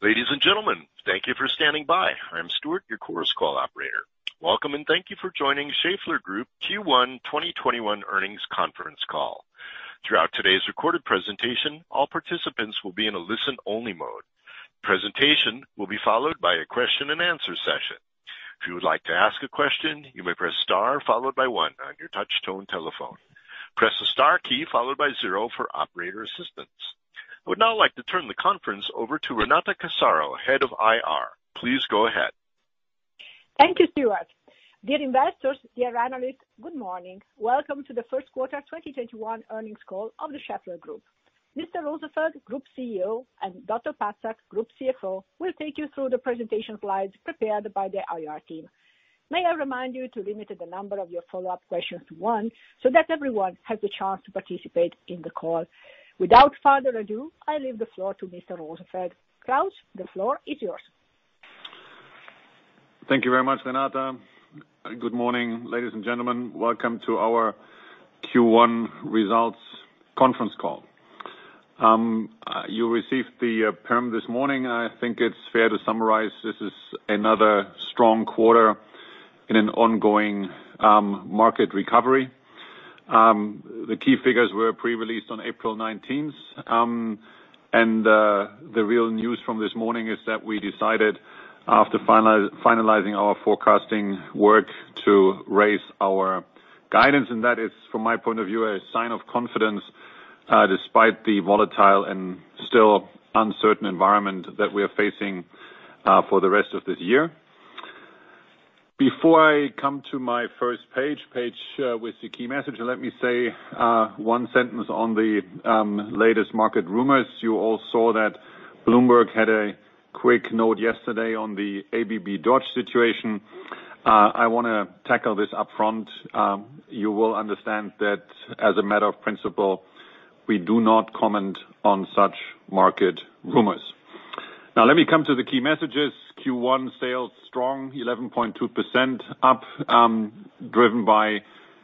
Ladies and gentlemen, thank you for standing by. I'm Stuart, your Chorus Call operator. Welcome, and thank you for joining Schaeffler Group Q1 2021 earnings conference call. Throughout today's recorded presentation, all participants will be in a listen-only mode. Presentation will be followed by a question and answer session. If you would like to ask a question, you may press star followed by one on your touchtone telephone. Press the star key followed by zero for operator assistance. I would like to turn the conference over to Renata Casaro, Head of IR. Please go ahead. Thank you, Stuart. Dear investors, dear analysts, good morning. Welcome to the first quarter 2021 earnings call of the Schaeffler Group. Mr. Rosenfeld, Group CEO, and Dr. Patzak, Group CFO, will take you through the presentation slides prepared by the IR team. May I remind you to limit the number of your follow-up questions to one, so that everyone has the chance to participate in the call. Without further ado, I leave the floor to Mr. Rosenfeld. Klaus, the floor is yours. Thank you very much, Renata. Good morning, ladies and gentlemen. Welcome to our Q1 results conference call. You received the PM this morning. I think it is fair to summarize this is another strong quarter in an ongoing market recovery. The key figures were pre-released on April 19th. The real news from this morning is that we decided, after finalizing our forecasting work, to raise our guidance. That is, from my point of view, a sign of confidence, despite the volatile and still uncertain environment that we are facing for the rest of this year. Before I come to my first page with the key message, let me say one sentence on the latest market rumors. You all saw that Bloomberg had a quick note yesterday on the ABB Dodge situation. I want to tackle this upfront. You will understand that as a matter of principle we do not comment on such market rumors. Let me come to the key messages. Q1 sales strong, 11.2% up, driven by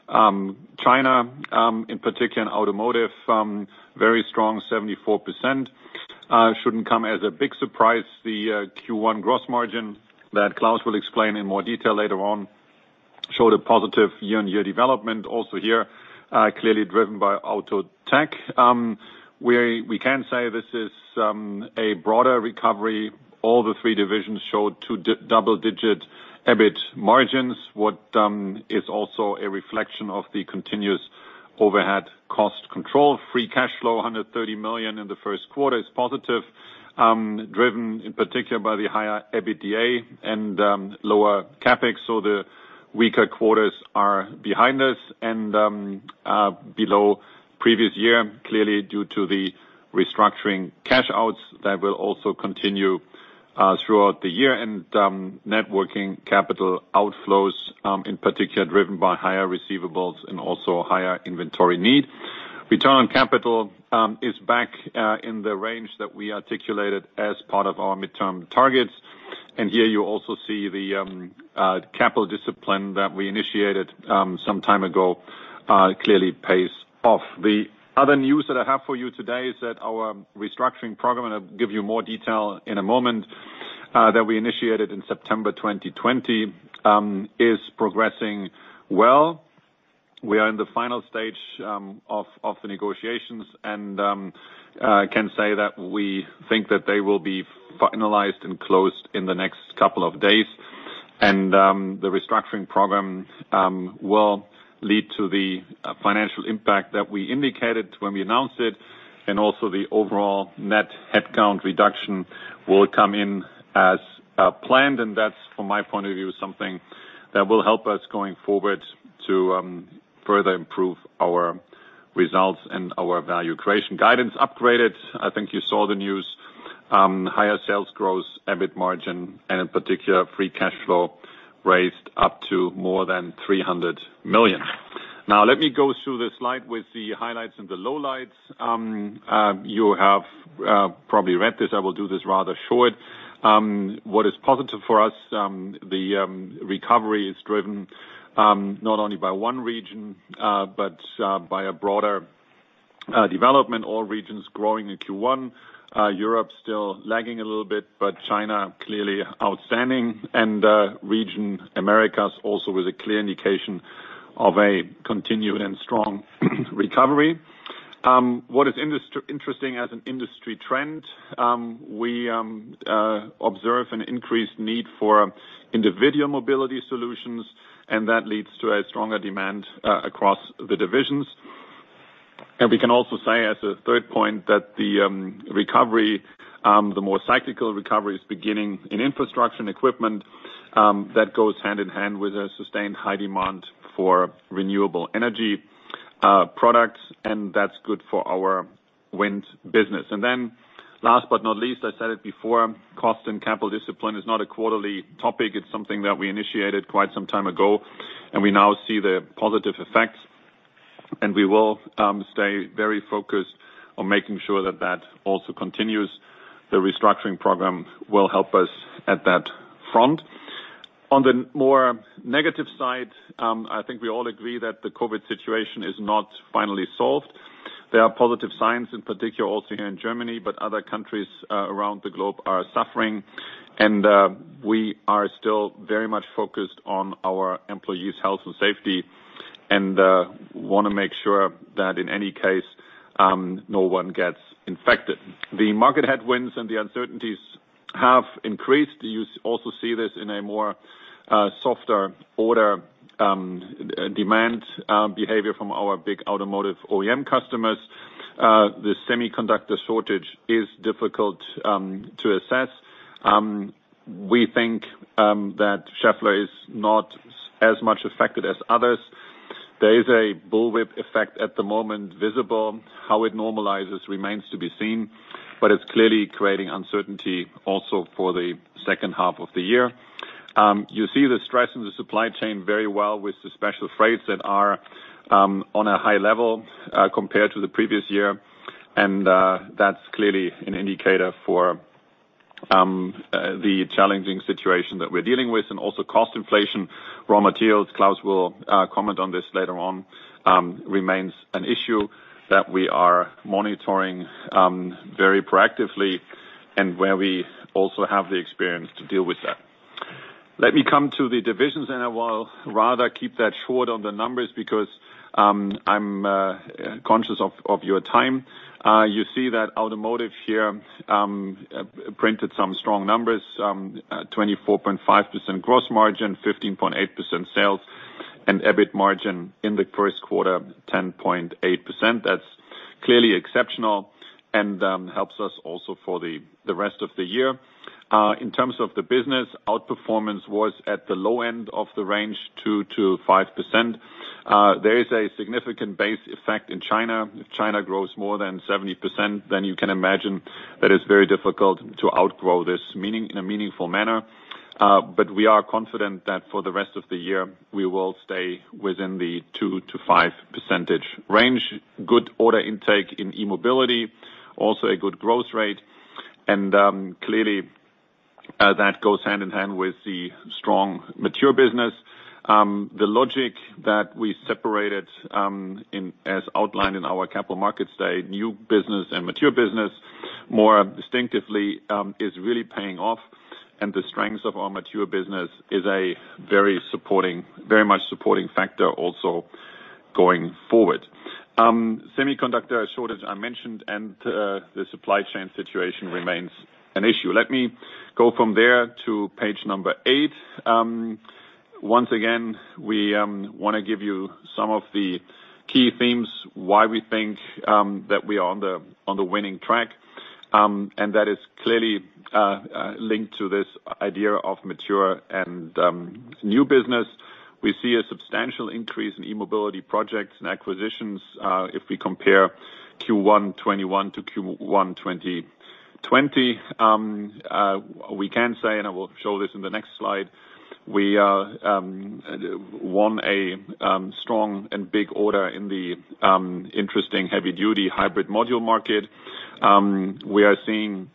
China, in particular in automotive, very strong, 74%. Shouldn't come as a big surprise, the Q1 gross margin that Klaus will explain in more detail later on, showed a positive year-on-year development also here, clearly driven by auto tech. We can say this is a broader recovery. All the three divisions showed two double-digit EBIT margins. What is also a reflection of the continuous overhead cost control. Free cash flow, 130 million in the first quarter, is positive, driven in particular by the higher EBITDA and lower CapEx. The weaker quarters are behind us and below the previous year, clearly due to the restructuring cash-outs that will also continue throughout the year. Net working capital outflows, in particular driven by higher receivables and also higher inventory need. Return on capital is back in the range that we articulated as part of our midterm targets. Here you also see the capital discipline that we initiated some time ago clearly pays off. The other news that I have for you today is that our Restructuring Program, and I'll give you more detail in a moment, that we initiated in September 2020, is progressing well. We are in the final stage of the negotiations, and I can say that we think that they will be finalized and closed in the next couple of days. The Restructuring Program will lead to the financial impact that we indicated when we announced it, and also the overall net headcount reduction will come in as planned. That's, from my point of view, something that will help us going forward to further improve our results and our value creation. Guidance upgraded. I think you saw the news. Higher sales growth, EBIT margin, and in particular, free cash flow raised up to more than 300 million. Let me go through the slide with the highlights and the lowlights. You have probably read this. I will do this rather short. What is positive for us, the recovery is driven not only by one region but by a broader development. All regions growing in Q1. Europe still lagging a little bit, but China clearly outstanding. Region Americas also with a clear indication of a continued and strong recovery. What is interesting as an industry trend, we observe an increased need for individual mobility solutions, and that leads to a stronger demand across the divisions. We can also say as a third point that the more cyclical recovery is beginning in infrastructure and equipment. That goes hand in hand with a sustained high demand for renewable energy products, and that's good for our wind business. Last but not least, I said it before, cost and capital discipline is not a quarterly topic. It's something that we initiated quite some time ago, and we now see the positive effects, and we will stay very focused on making sure that that also continues. The restructuring program will help us at that front. On the more negative side, I think we all agree that the COVID situation is not finally solved. There are positive signs in particular also here in Germany, but other countries around the globe are suffering. We are still very much focused on our employees health and safety and want to make sure that in any case, no one gets infected. The market headwinds and the uncertainties have increased. You also see this in a more, softer order demand behavior from our big automotive OEM customers. The semiconductor shortage is difficult to assess. We think that Schaeffler is not as much affected as others. There is a bullwhip effect at the moment visible. How it normalizes remains to be seen, but it's clearly creating uncertainty also for the second half of the year. You see the stress in the supply chain very well with the special freights that are on a high level, compared to the previous year. That's clearly an indicator for the challenging situation that we're dealing with. Also cost inflation, raw materials, Klaus will comment on this later on, remains an issue that we are monitoring very proactively and where we also have the experience to deal with that. Let me come to the divisions, I will rather keep that short on the numbers because, I'm conscious of your time. You see that Automotive here printed some strong numbers, 24.5% gross margin, 15.8% sales, and EBIT margin in the first quarter, 10.8%. That's clearly exceptional and helps us also for the rest of the year. In terms of the business, outperformance was at the low end of the range, 2%-5%. There is a significant base effect in China. If China grows more than 70%, you can imagine that it's very difficult to outgrow this in a meaningful manner. We are confident that for the rest of the year, we will stay within the 2%-5% range. Good order intake in E-Mobility, also a good growth rate. Clearly that goes hand in hand with the strong mature business. The logic that we separated, as outlined in our Capital Markets Day, new business and mature business more distinctively, is really paying off. The strengths of our mature business is a very much supporting factor also going forward. Semiconductor shortage, I mentioned, and the supply chain situation remains an issue. Let me go from there to page number eight. Once again, we want to give you some of the key themes, why we think that we are on the winning track. That is clearly linked to this idea of mature and new business. We see a substantial increase in E-Mobility projects and acquisitions, if we compare Q1 2021-Q1 2020. We can say, I will show this in the next slide, we won a strong and big order in the interesting heavy-duty hybrid module market. We are seeing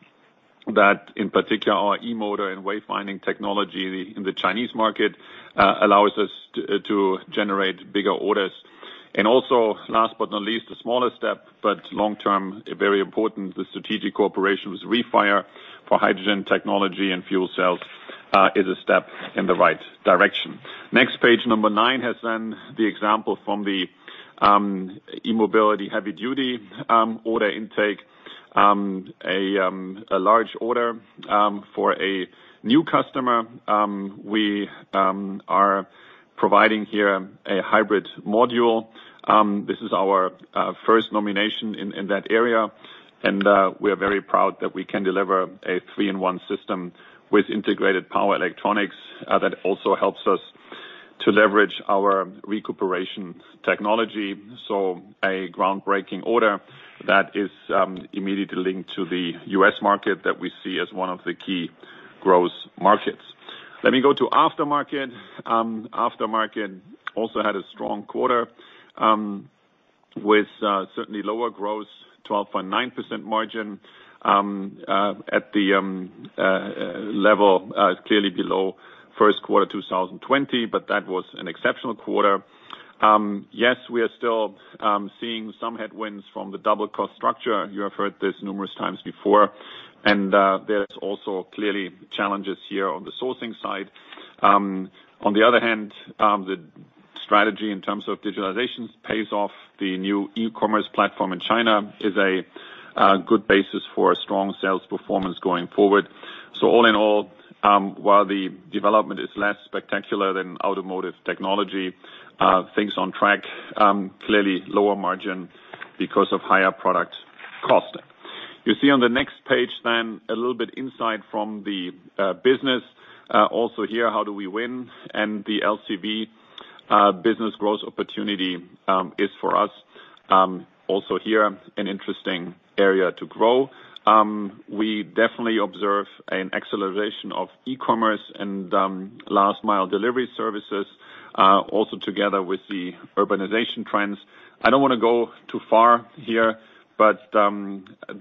that in particular our E-motor and wave winding technology in the Chinese market, allows us to generate bigger orders. Also last but not least, a smaller step, but long-term, very important, the strategic cooperation with REFIRE for hydrogen technology and fuel cells, is a step in the right direction. Next page nine has the example from the E-Mobility heavy-duty order intake. A large order for a new customer. We are providing here a hybrid module. This is our first nomination in that area, and we are very proud that we can deliver a three-in-one system with integrated power electronics that also helps us to leverage our recuperation technology. A groundbreaking order that is immediately linked to the U.S. market that we see as one of the key growth markets. Let me go to Automotive Aftermarket. Automotive Aftermarket also had a strong quarter, with certainly lower growth, 12.9% margin, at the level, clearly below first quarter 2020, but that was an exceptional quarter. Yes, we are still seeing some headwinds from the double cost structure. You have heard this numerous times before. There's also clearly challenges here on the sourcing side. On the other hand, the strategy in terms of digitalizations pays off the new e-commerce platform in China is a good basis for a strong sales performance going forward. All in all, while the development is less spectacular than automotive technology, things on track, clearly lower margin because of higher product cost. You see on the next page a little bit insight from the business. Also here, how do we win? The LCV business growth opportunity is for us, also here, an interesting area to grow. We definitely observe an acceleration of e-commerce and last-mile delivery services. Also together with the urbanization trends. I don't want to go too far here, but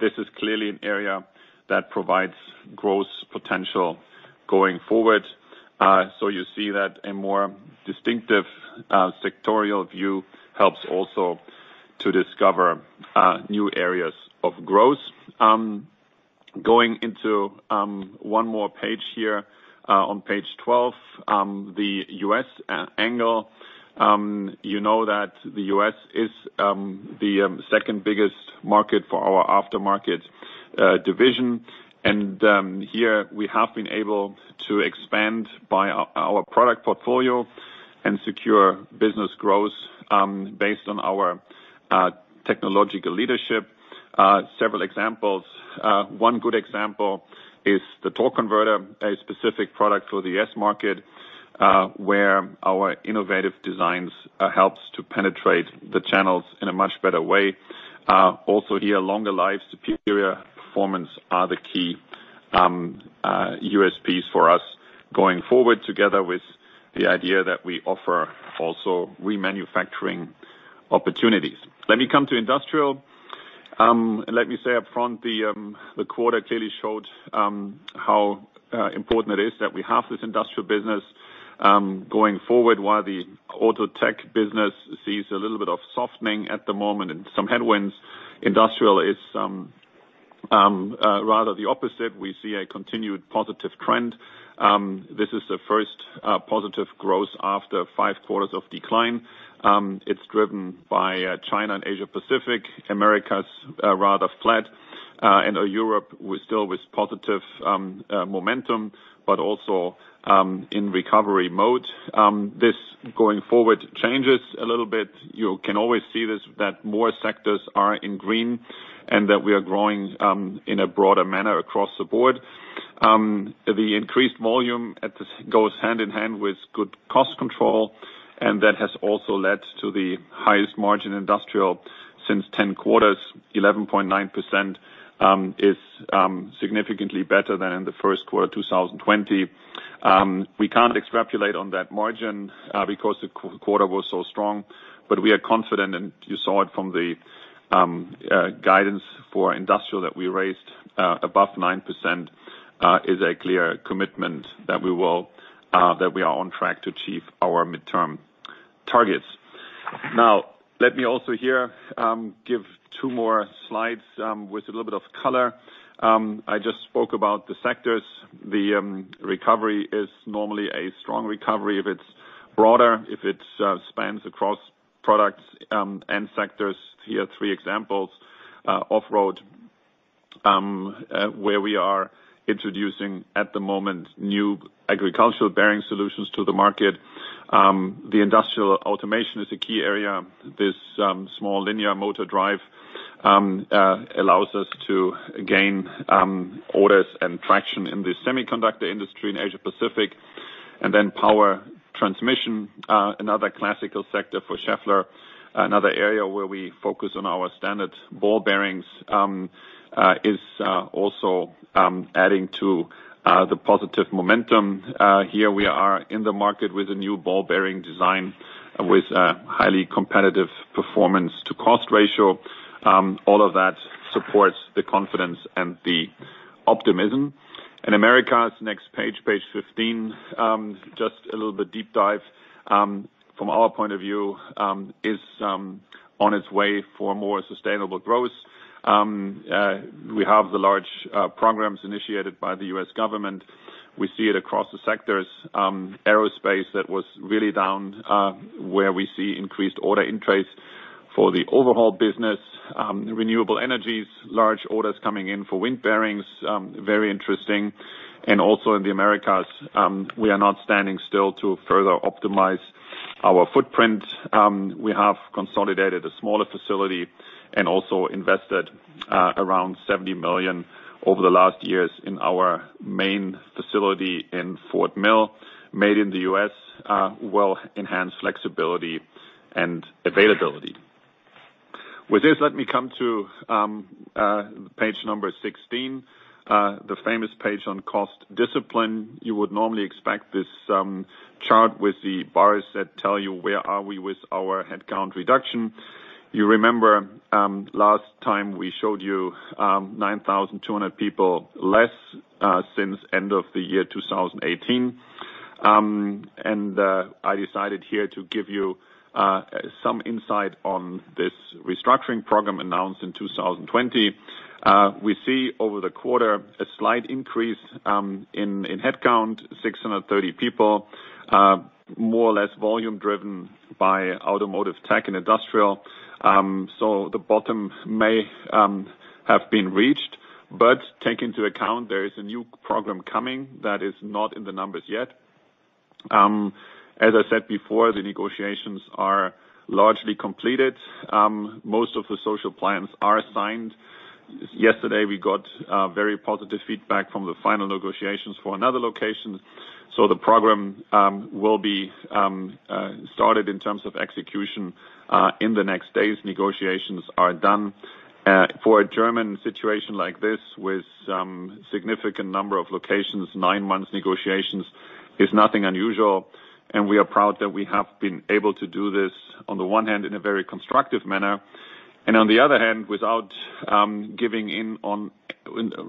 this is clearly an area that provides growth potential going forward. You see that a more distinctive sectorial view helps also to discover new areas of growth. Going into one more page here, on page 12, the U.S. angle. You know that the U.S. is the second biggest market for our Automotive Aftermarket division. Here we have been able to expand our product portfolio and secure business growth based on our technological leadership. Several examples. One good example is the torque converter, a specific product for the U.S. market, where our innovative designs helps to penetrate the channels in a much better way. Here, longer life, superior performance are the key USPs for us going forward, together with the idea that we offer also remanufacturing opportunities. Let me come to industrial. Let me say upfront, the quarter clearly showed how important it is that we have this industrial business going forward. While the Automotive Technologies business sees a little bit of softening at the moment and some headwinds, industrial is rather the opposite. We see a continued positive trend. This is the first positive growth after five quarters of decline. It's driven by China and Asia Pacific. Americas, rather flat. Europe, still with positive momentum, but also in recovery mode. This, going forward, changes a little bit. You can always see that more sectors are in green and that we are growing in a broader manner across the board. The increased volume goes hand in hand with good cost control, and that has also led to the highest margin Industrial since 10 quarters. 11.9% is significantly better than in the first quarter 2020. We can't extrapolate on that margin because the quarter was so strong, but we are confident, and you saw it from the guidance for Industrial that we raised above 9% is a clear commitment that we are on track to achieve our midterm targets. Let me also here give two more slides with a little bit of color. I just spoke about the sectors. The recovery is normally a strong recovery. If it's broader, if it spans across products and sectors. Here are three examples. Off-road, where we are introducing, at the moment, new agricultural bearing solutions to the market. The industrial automation is a key area. This small linear motor drive allows us to gain orders and traction in the semiconductor industry in Asia Pacific. Power transmission, another classical sector for Schaeffler. Another area where we focus on our standard ball bearings is also adding to the positive momentum. Here we are in the market with a new ball bearing design with a highly competitive performance to cost ratio. All of that supports the confidence and the optimism. In Americas, next page 15, just a little bit deep dive. Americas, from our point of view, is on its way for more sustainable growth. We have the large programs initiated by the U.S. government. We see it across the sectors. Aerospace, that was really down, where we see increased order interest for the overhaul business. Renewable energies, large orders coming in for wind bearings. Very interesting. Also in the Americas, we are not standing still to further optimize our footprint. We have consolidated a smaller facility and also invested around $70 million over the last years in our main facility in Fort Mill. Made in the U.S. will enhance flexibility and availability. With this, let me come to page number 16, the famous page on cost discipline. You would normally expect this chart with the bars that tell you where are we with our headcount reduction. You remember, last time we showed you 9,200 people less since end of the year 2018. I decided here to give you some insight on this restructuring program announced in 2020. We see over the quarter a slight increase in headcount, 630 people. More or less volume driven by Automotive Technologies and Industrial. The bottom may have been reached, but take into account there is a new program coming that is not in the numbers yet. As I said before, the negotiations are largely completed. Most of the social plans are signed. Yesterday, we got very positive feedback from the final negotiations for another location. The program will be started in terms of execution in the next days. Negotiations are done. For a German situation like this, with significant number of locations, nine months negotiations, is nothing unusual. We are proud that we have been able to do this, on the one hand, in a very constructive manner, and on the other hand, without giving in on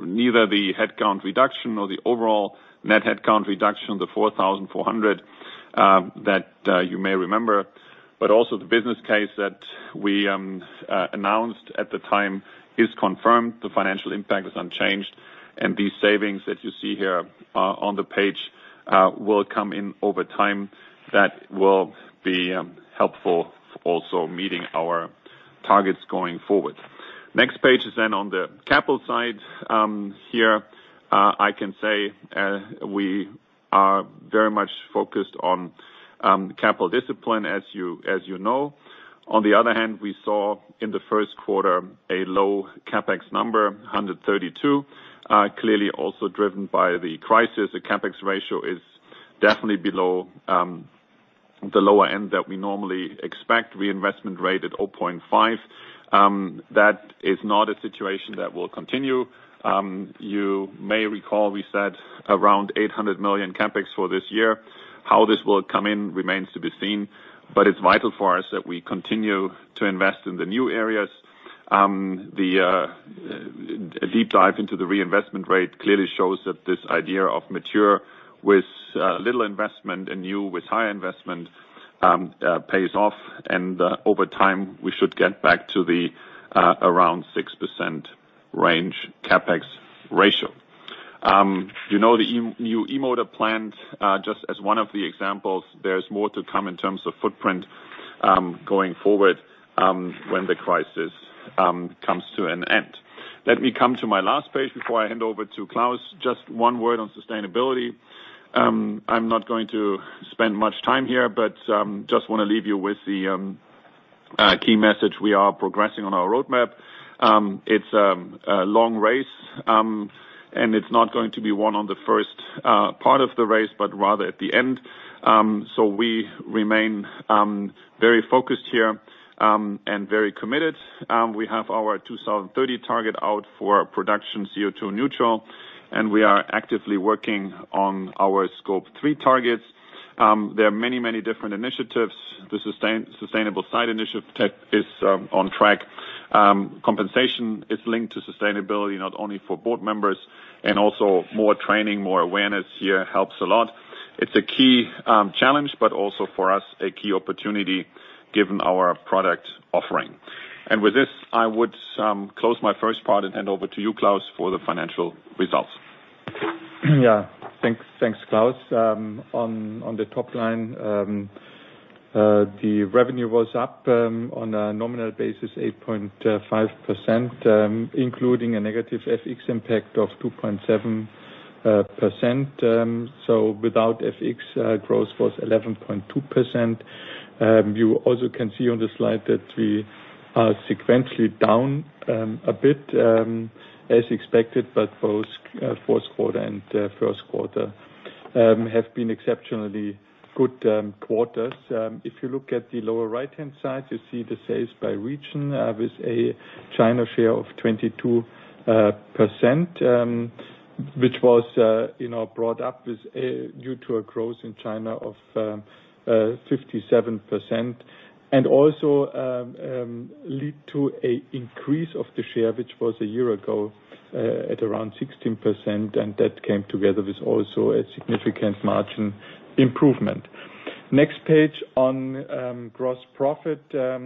neither the headcount reduction or the overall net headcount reduction, the 4,400 that you may remember. Also the business case that we announced at the time is confirmed. The financial impact is unchanged, and these savings that you see here on the page will come in over time. That will be helpful also meeting our targets going forward. Next page is then on the capital side. Here, I can say we are very much focused on capital discipline as you know. On the other hand, we saw in the first quarter a low CapEx number, 132, clearly also driven by the crisis. The CapEx ratio is definitely below the lower end that we normally expect. Reinvestment rate at 0.5. That is not a situation that will continue. You may recall we said around 800 million CapEx for this year. How this will come in remains to be seen. It's vital for us that we continue to invest in the new areas. A deep dive into the reinvestment rate clearly shows that this idea of mature with little investment and new with high investment pays off, and over time, we should get back to the around 6% range CapEx ratio. You know the new E-motor plant, just as one of the examples. There is more to come in terms of footprint going forward, when the crisis comes to an end. Let me come to my last page before I hand over to Klaus. Just one word on sustainability. I am not going to spend much time here, but just want to leave you with the key message. We are progressing on our roadmap. It's a long race, and it's not going to be won on the first part of the race, but rather at the end. We remain very focused here, and very committed. We have our 2030 target out for production zero-carbon, and we are actively working on our scope three targets. There are many different initiatives. The sustainable site initiative tech is on track. Compensation is linked to sustainability, not only for board members and also more training, more awareness here helps a lot. It's a key challenge, but also for us, a key opportunity given our product offering. With this, I would close my first part and hand over to you, Klaus, for the financial results. Thanks, Klaus. On the top line, the revenue was up on a nominal basis 8.5%, including a negative FX impact of 2.7%. Without FX, growth was 11.2%. You also can see on the slide that we are sequentially down a bit as expected, but both fourth quarter and first quarter have been exceptionally good quarters. If you look at the lower right-hand side, you see the sales by region with a China share of 22%, which was brought up due to a growth in China of 57%. Also lead to an increase of the share, which was a year ago at around 16%, and that came together with also a significant margin improvement. Next page on gross profit. First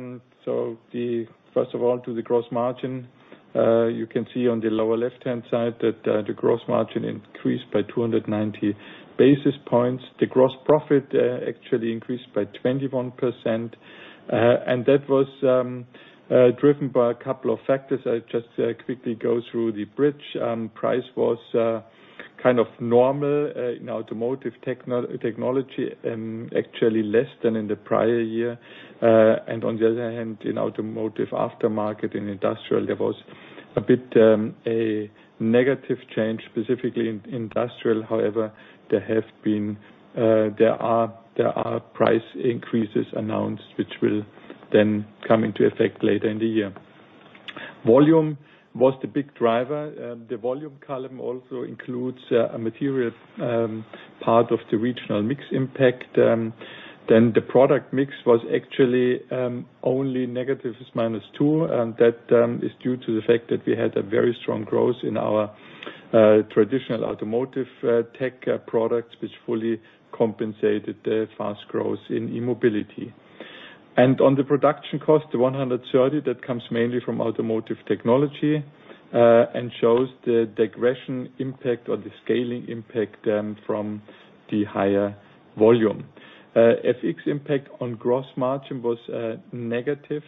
of all, to the gross margin. You can see on the lower left-hand side that the gross margin increased by 290 basis points. The gross profit actually increased by 21%. That was driven by a couple of factors. I'll just quickly go through the bridge. Price was kind of normal in Automotive Technologies, actually less than in the prior year. On the other hand, in Automotive Aftermarket and industrial, there was a bit a negative change, specifically in industrial. However, there are price increases announced, which will then come into effect later in the year. Volume was the big driver. The volume column also includes a material part of the regional mix impact. The product mix was actually only negative as -2. That is due to the fact that we had a very strong growth in our traditional Automotive Technologies products, which fully compensated the fast growth in E-Mobility. On the production cost, the 130, that comes mainly from Automotive Technologies, and shows the regression impact or the scaling impact from the higher volume. FX impact on gross margin was negative,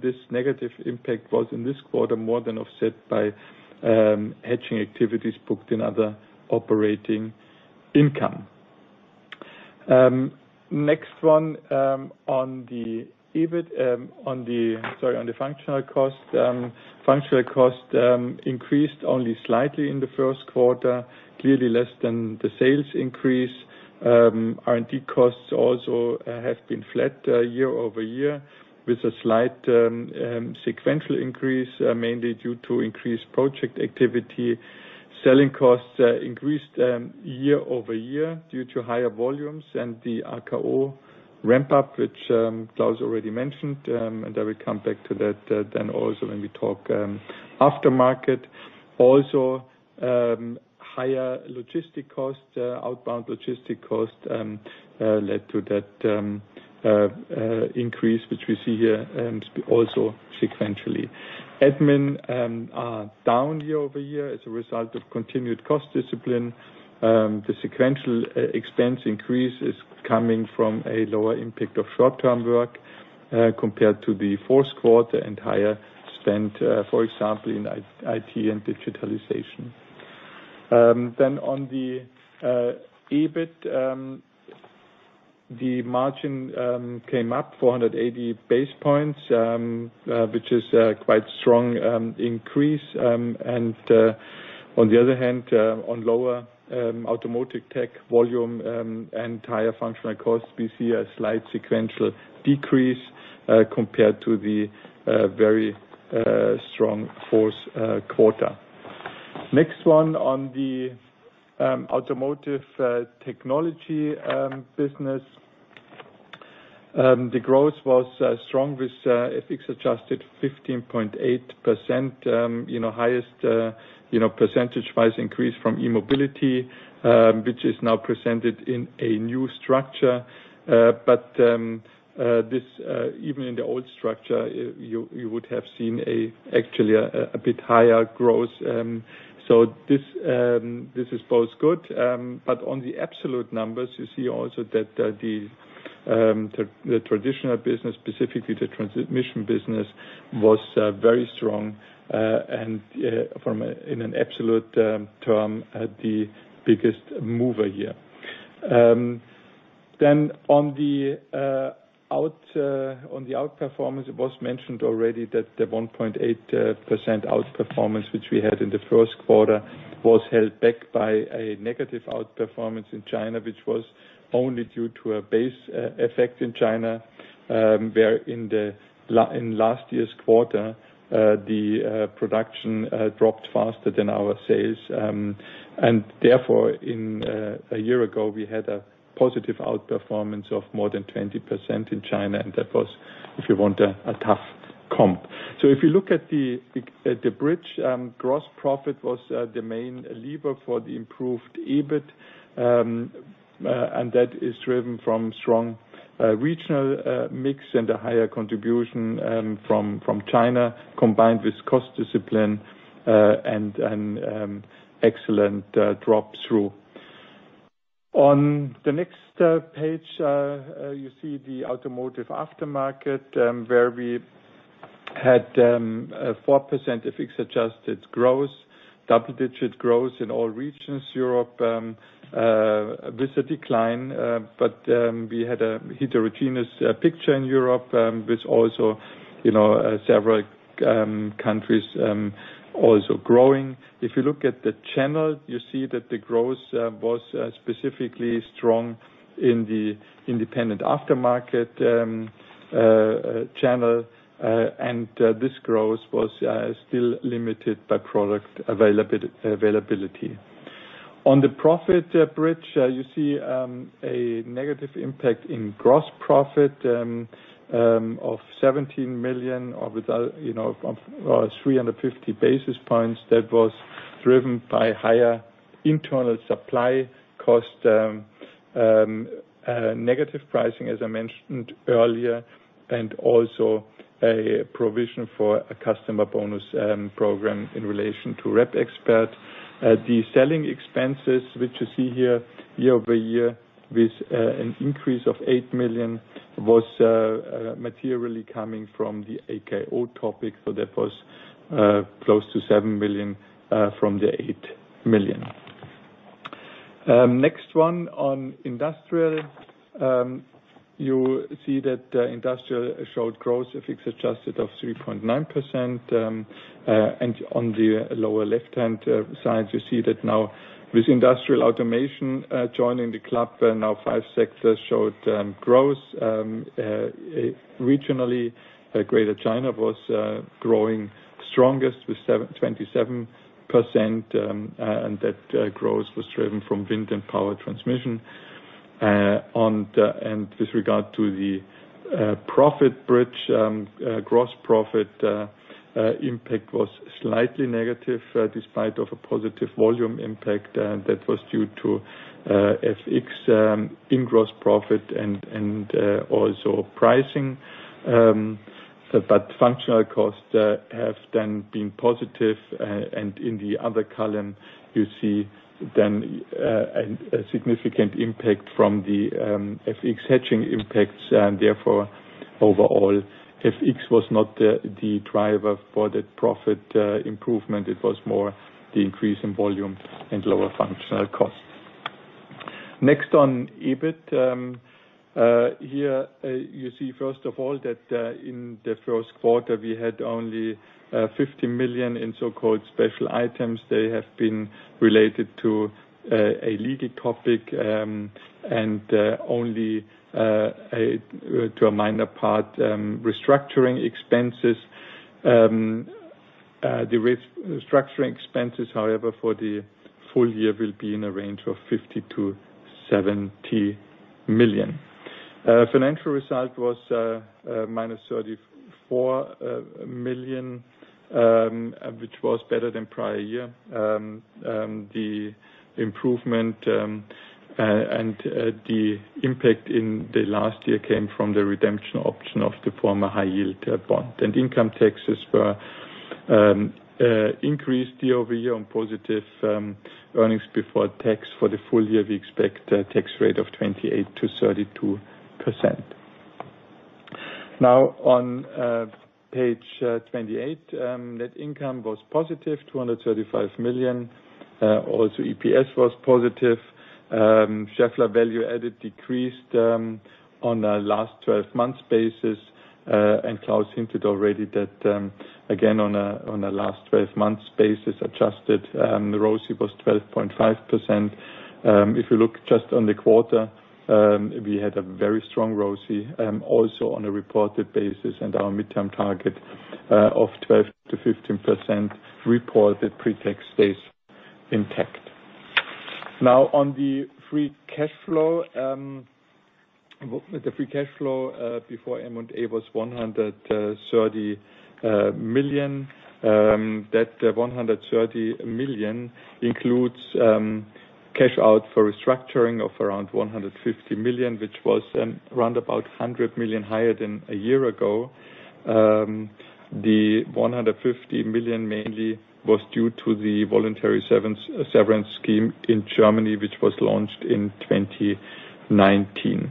this negative impact was, in this quarter, more than offset by hedging activities booked in other operating income. Next one, on the EBIT. Sorry, on the functional cost. Functional cost increased only slightly in the first quarter, clearly less than the sales increase. R&D costs also have been flat year-over-year, with a slight sequential increase, mainly due to increased project activity. Selling costs increased year-over-year due to higher volumes and the RKO ramp-up, which Klaus already mentioned. I will come back to that then also when we talk aftermarket. Higher logistic costs, outbound logistic costs, led to that increase, which we see here also sequentially. Admin are down year-over-year as a result of continued cost discipline. The sequential expense increase is coming from a lower impact of short-term work, compared to the fourth quarter, and higher spend, for example, in IT and digitalization. On the EBIT, the margin came up 480 basis points, which is a quite strong increase. On the other hand, on lower automotive tech volume and higher functional costs, we see a slight sequential decrease compared to the very strong fourth quarter. Next one on the Automotive Technologies business. The growth was strong with FX-adjusted 15.8%. Highest percentage-wise increase from E-Mobility, which is now presented in a new structure. Even in the old structure, you would have seen actually a bit higher growth. This is both good. On the absolute numbers, you see also that the traditional business, specifically the transmission business, was very strong, and in an absolute term, the biggest mover here. On the outperformance, it was mentioned already that the 1.8% outperformance which we had in the first quarter was held back by a negative outperformance in China, which was only due to a base effect in China, where in last year's quarter, the production dropped faster than our sales. Therefore, a year ago, we had a positive outperformance of more than 20% in China, and that was, if you want, a tough comp. If you look at the bridge, gross profit was the main lever for the improved EBIT, and that is driven from strong regional mix and a higher contribution from China, combined with cost discipline and excellent drop through. On the next page, you see the Automotive Aftermarket, where we had 4% FX-adjusted growth, double-digit growth in all regions, Europe with a decline. We had a heterogeneous picture in Europe, with also several countries also growing. If you look at the channel, you see that the growth was specifically strong in the independent aftermarket channel. This growth was still limited by product availability. On the profit bridge, you see a negative impact in gross profit of 17 million, or 350 basis points, that was driven by higher internal supply cost, negative pricing, as I mentioned earlier, and also a provision for a customer bonus program in relation to REPXPERT. The selling expenses, which you see here year-over-year, with an increase of 8 million, was materially coming from the AKO topic, so that was close to 7 million from the 8 million. Next one on industrial. You see that industrial showed growth FX adjusted of 3.9%. On the lower left-hand side, you see that now with industrial automation joining the club, now five sectors showed growth. Regionally, Greater China was growing strongest with 27%. That growth was driven from wind and power transmission. With regard to the profit bridge, gross profit impact was slightly negative despite of a positive volume impact, and that was due to FX in gross profit and also pricing. Functional costs have then been positive, and in the other column, you see then a significant impact from the FX hedging impacts, and therefore, overall, FX was not the driver for that profit improvement. It was more the increase in volume and lower functional costs. Next on EBIT. Here you see, first of all, that in the first quarter, we had only 50 million in so-called special items. They have been related to a legal topic, and only to a minor part, restructuring expenses. The restructuring expenses, however, for the full year will be in a range of 50 million-70 million. Financial result was -34 million, which was better than prior year. The improvement and the impact in the last year came from the redemption option of the former high yield bond. Income taxes were increased year-over-year on positive earnings before tax. For the full year, we expect a tax rate of 28%-32%. On page 28, net income was positive 235 million. EPS was positive. Schaeffler value-added decreased on a last 12 months basis. Klaus hinted already that, again, on a last 12 months basis adjusted, the ROCE was 12.5%. If you look just on the quarter, we had a very strong ROCE, also on a reported basis, and our midterm target of 12%-15% reported pre-tax stays intact. On the free cash flow. The free cash flow before M&A was 130 million. That 130 million includes cash out for restructuring of around 150 million, which was around about 100 million higher than a year ago. The 150 million mainly was due to the voluntary severance scheme in Germany, which was launched in 2019.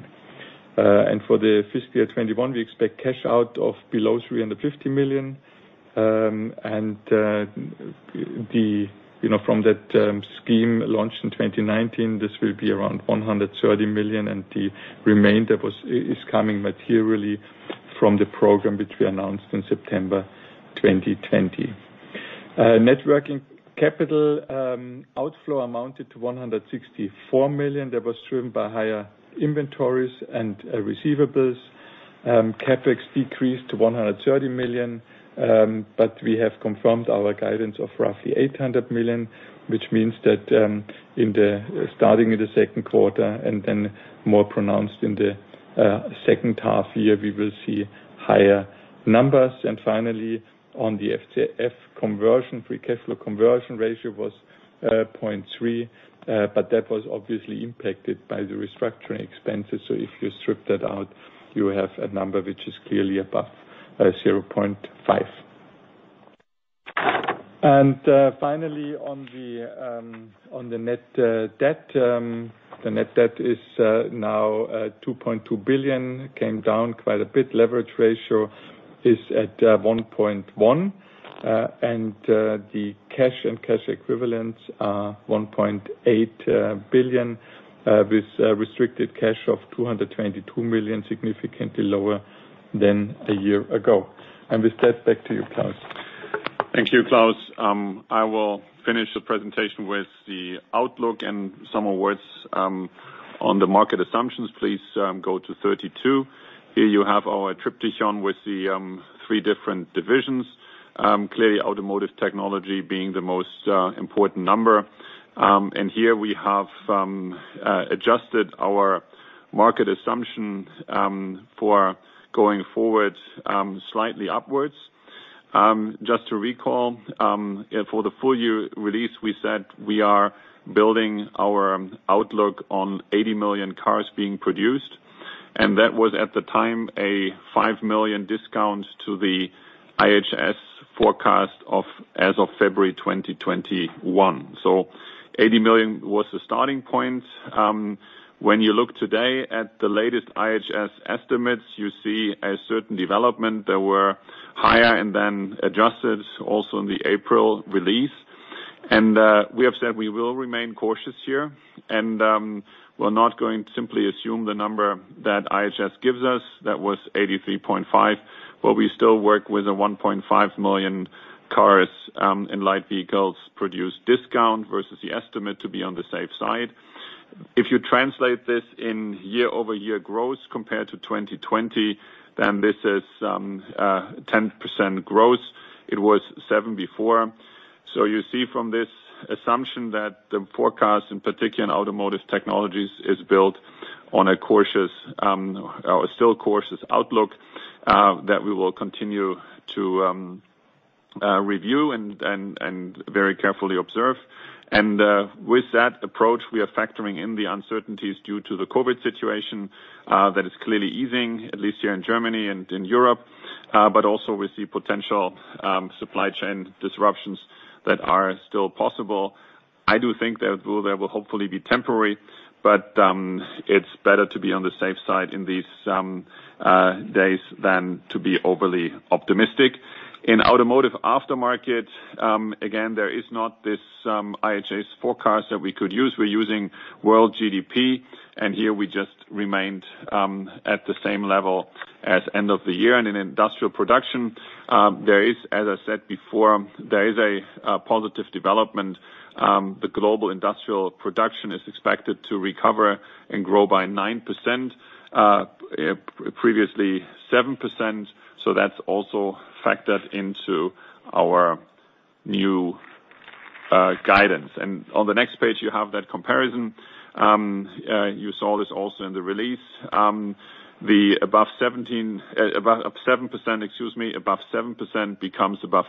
For the fiscal year 2021, we expect cash out of below 350 million. From that scheme launched in 2019, this will be around 130 million, and the remainder is coming materially from the program which we announced in September 2020. Net working capital outflow amounted to 164 million. That was driven by higher inventories and receivables. CapEx decreased to 130 million. We have confirmed our guidance of roughly 800 million, which means that starting in the second quarter and then more pronounced in the second half year, we will see higher numbers. Finally, on the FCF conversion, free cash flow conversion ratio was 0.3. That was obviously impacted by the restructuring expenses. If you strip that out, you have a number which is clearly above 0.5. Finally, on the net debt. The net debt is now 2.2 billion, came down quite a bit. Leverage ratio is at 1.1. The cash and cash equivalents are 1.8 billion, with restricted cash of 222 million, significantly lower than a year ago. With that, back to you, Klaus. Thank you, Klaus. I will finish the presentation with the outlook and some words on the market assumptions. Please go to 32. Here you have our triptych on with the three different divisions. Clearly, Automotive Technologies being the most important number. Here we have adjusted our market assumption for going forward slightly upwards. Just to recall, for the full year release, we said we are building our outlook on 80 million cars being produced, and that was at the time a 5 million discount to the IHS forecast as of February 2021. 80 million was the starting point. When you look today at the latest IHS estimates, you see a certain development. They were higher and then adjusted also in the April release. We have said we will remain cautious here, and we're not going to simply assume the number that IHS gives us. That was 83.5, but we still work with a 1.5 million cars and light vehicles produced discount versus the estimate to be on the safe side. If you translate this in year-over-year growth compared to 2020, then this is 10% growth. It was 7% before. You see from this assumption that the forecast, in particular in Automotive Technologies, is built on a still cautious outlook, that we will continue to review and very carefully observe. With that approach, we are factoring in the uncertainties due to the COVID situation that is clearly easing, at least here in Germany and in Europe, but also with the potential supply chain disruptions that are still possible. I do think that they will hopefully be temporary, but it's better to be on the safe side in these days than to be overly optimistic. In Automotive Aftermarket, again, there is not this IHS forecast that we could use. We're using world GDP, here we just remained at the same level as end of the year. In Industrial Production, as I said before, there is a positive development. The global industrial production is expected to recover and grow by 9%, previously 7%. That's also factored into our new guidance. On the next page, you have that comparison. You saw this also in the release. The above 17, above 7%, excuse me, above 7% becomes above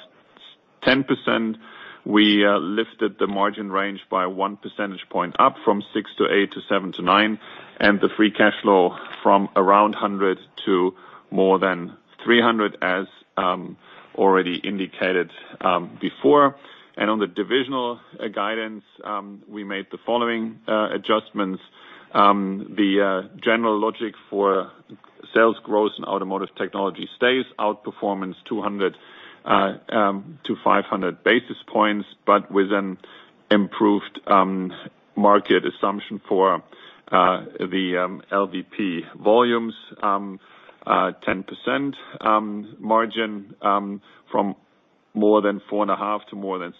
10%. We lifted the margin range by 1 percentage point up from six to eight to seven to nine, and the free cash flow from around 100 to more than 300, as already indicated before. On the divisional guidance, we made the following adjustments. The general logic for sales growth in Automotive Technologies stays. Outperformance 200-500 basis points, but with an improved market assumption for the LVP volumes 10%. Margin from more than 4.5% to more than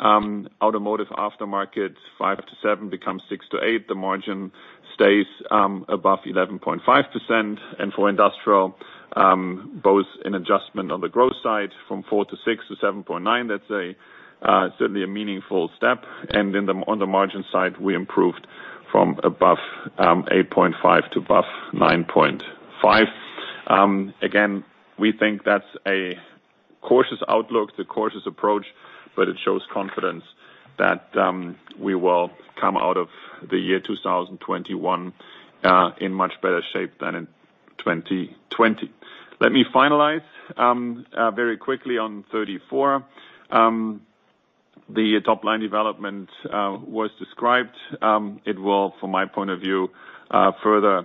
6%. Automotive Aftermarket 5%-7% becomes 6%-8%. The margin stays above 11.5%. For Industrial, both an adjustment on the growth side from 4%-6%-7.9%. That's certainly a meaningful step. On the margin side, we improved from above 8.5% to above 9.5%. Again, we think that's a cautious outlook, the cautious approach, but it shows confidence that we will come out of the year 2021 in much better shape than in 2020. Let me finalize very quickly on 34. The top-line development was described. It will, from my point of view, further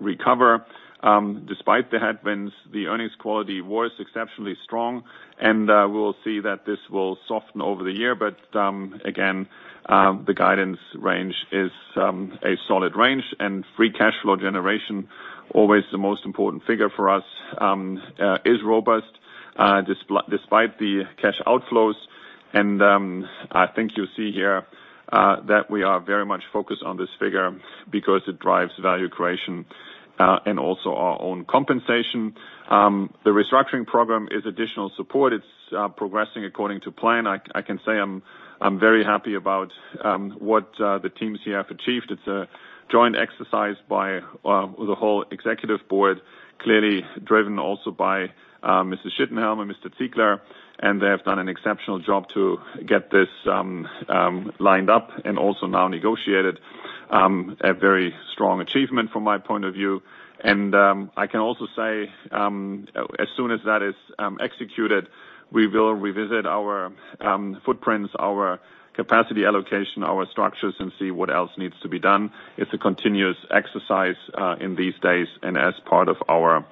recover. Despite the headwinds, the earnings quality was exceptionally strong, and we will see that this will soften over the year. Again, the guidance range is a solid range, and free cash flow generation, always the most important figure for us, is robust despite the cash outflows. I think you see here that we are very much focused on this figure, because it drives value creation and also our own compensation. The restructuring program is additional support. It's progressing according to plan. I can say I'm very happy about what the teams here have achieved. It's a joint exercise by the whole executive board, clearly driven also by Mr. Schittenhelm and Mr. Ziegler, and they have done an exceptional job to get this lined up and also now negotiated. A very strong achievement from my point of view. I can also say, as soon as that is executed, we will revisit our footprints, our capacity allocation, our structures and see what else needs to be done. It's a continuous exercise in these days, and as part of our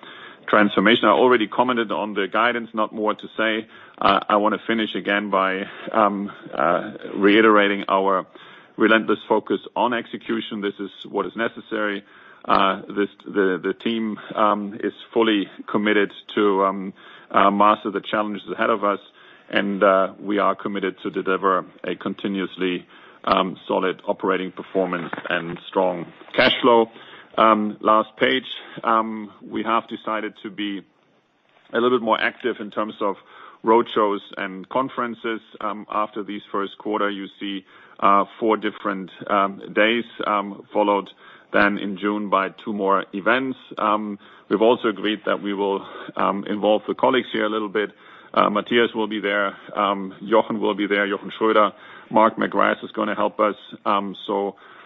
transformation. I already commented on the guidance, not more to say. I want to finish again by reiterating our relentless focus on execution. This is what is necessary. The team is fully committed to master the challenges ahead of us, and we are committed to deliver a continuously solid operating performance and strong cash flow. Last page. We have decided to be a little bit more active in terms of road shows and conferences. After this first quarter, you see four different days, followed then in June by two more events. We've also agreed that we will involve the colleagues here a little bit. Matthias will be there. Jochen Schröder will be there. Marc McGrath is going to help us.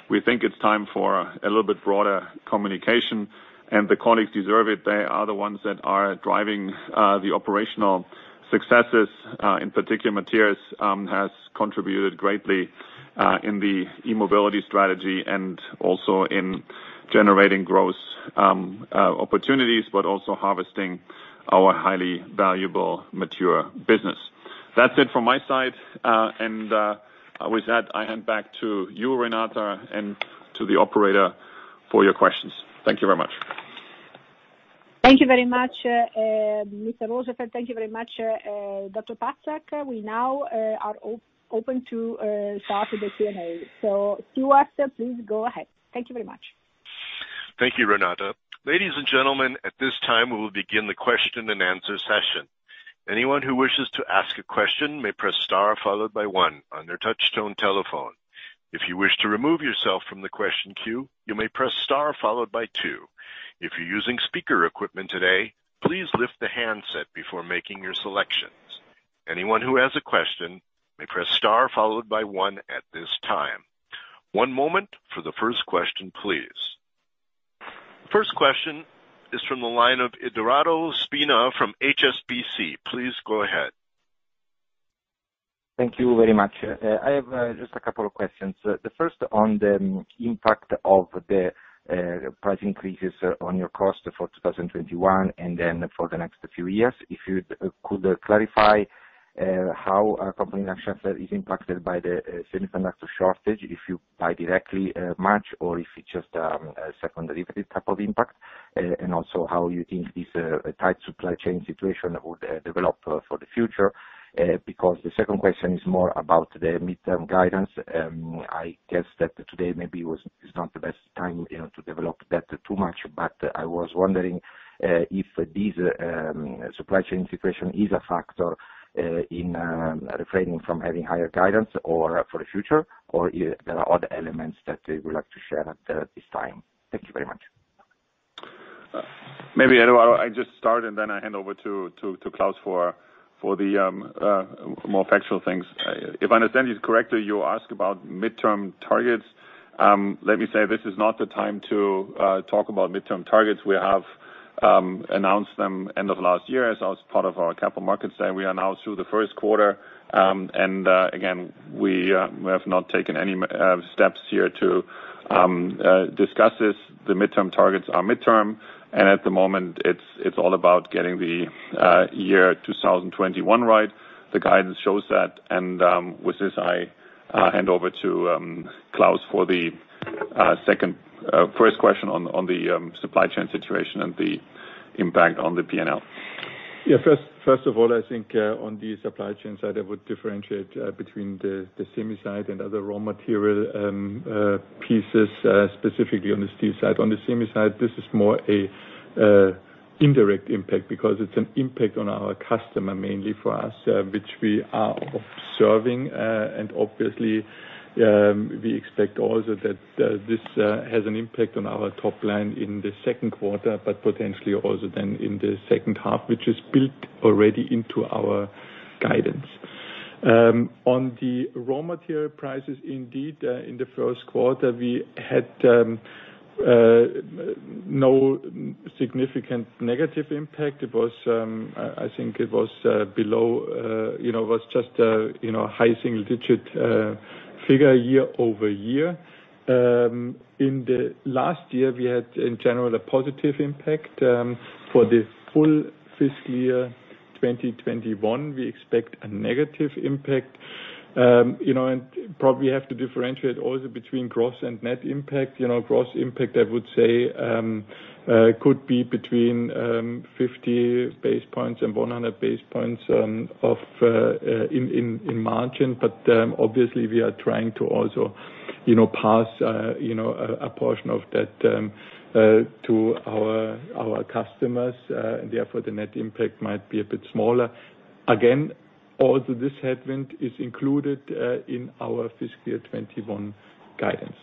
We think it's time for a little bit broader communication, and the colleagues deserve it. They are the ones that are driving the operational successes. In particular, Matthias has contributed greatly in the E-Mobility strategy and also in generating growth opportunities, but also harvesting our highly valuable mature business. That is it from my side. With that, I hand back to you, Renata, and to the operator for your questions. Thank you very much. Thank you very much, Mr. Rosenfeld. Thank you very much, Dr. Patzak. We now are open to start with the Q&A. Stuart, please go ahead. Thank you very much. Thank you, Renata. Ladies and gentlemen, at this time, we will begin the question and answer session. Anyone who wishes to ask a question may press star followed by one on your touchtone telephone. If you wish to remove yourself from the question queue, you may press star followed by two. If you're using speaker equipment today, please lift the handset before making selection. Anyone who has a question may press star followed by one at this time. One moment for the first question, please. First question is from the line of Edoardo Spina from HSBC. Please go ahead. Thank you very much. I have just a couple of questions. The first on the impact of the price increases on your cost for 2021 and then for the next few years. If you could clarify how company actions are impacted by the semiconductor shortage, if you buy directly much or if it's just a second derivative type of impact. Also how you think this tight supply chain situation would develop for the future. The second question is more about the midterm guidance. I guess that today maybe is not the best time to develop that too much. I was wondering if these supply chain situation is a factor in refraining from having higher guidance or for the future, or there are other elements that you would like to share at this time? Thank you very much. Maybe, Edoardo, I just start, and then I hand over to Klaus for the more factual things. If I understand you correctly, you ask about midterm targets. Let me say this is not the time to talk about midterm targets. We have announced them end of last year as part of our capital markets day. We are now through the first quarter. Again, we have not taken any steps here to discuss this. The midterm targets are midterm, and at the moment it's all about getting the year 2021 right. The guidance shows that. With this, I hand over to Klaus for the first question on the supply chain situation and the impact on the P&L. First of all, I think on the supply chain side, I would differentiate between the semi side and other raw material pieces, specifically on the steel side. On the semi side, this is more an indirect impact because it is an impact on our customer, mainly for us, which we are observing. Obviously, we expect also that this has an impact on our top line in the second quarter, but potentially also then in the second half, which is built already into our guidance. On the raw material prices, indeed, in the first quarter, we had no significant negative impact. I think it was just a high single-digit figure year-over-year. In the last year, we had, in general, a positive impact. For the full fiscal year 2021, we expect a negative impact. Probably have to differentiate also between gross and net impact. Gross impact, I would say, could be between 50 basis points and 100 basis points in margin. Obviously, we are trying to also pass a portion of that to our customers, and therefore the net impact might be a bit smaller. Again, also this headwind is included in our fiscal year 2021 guidance.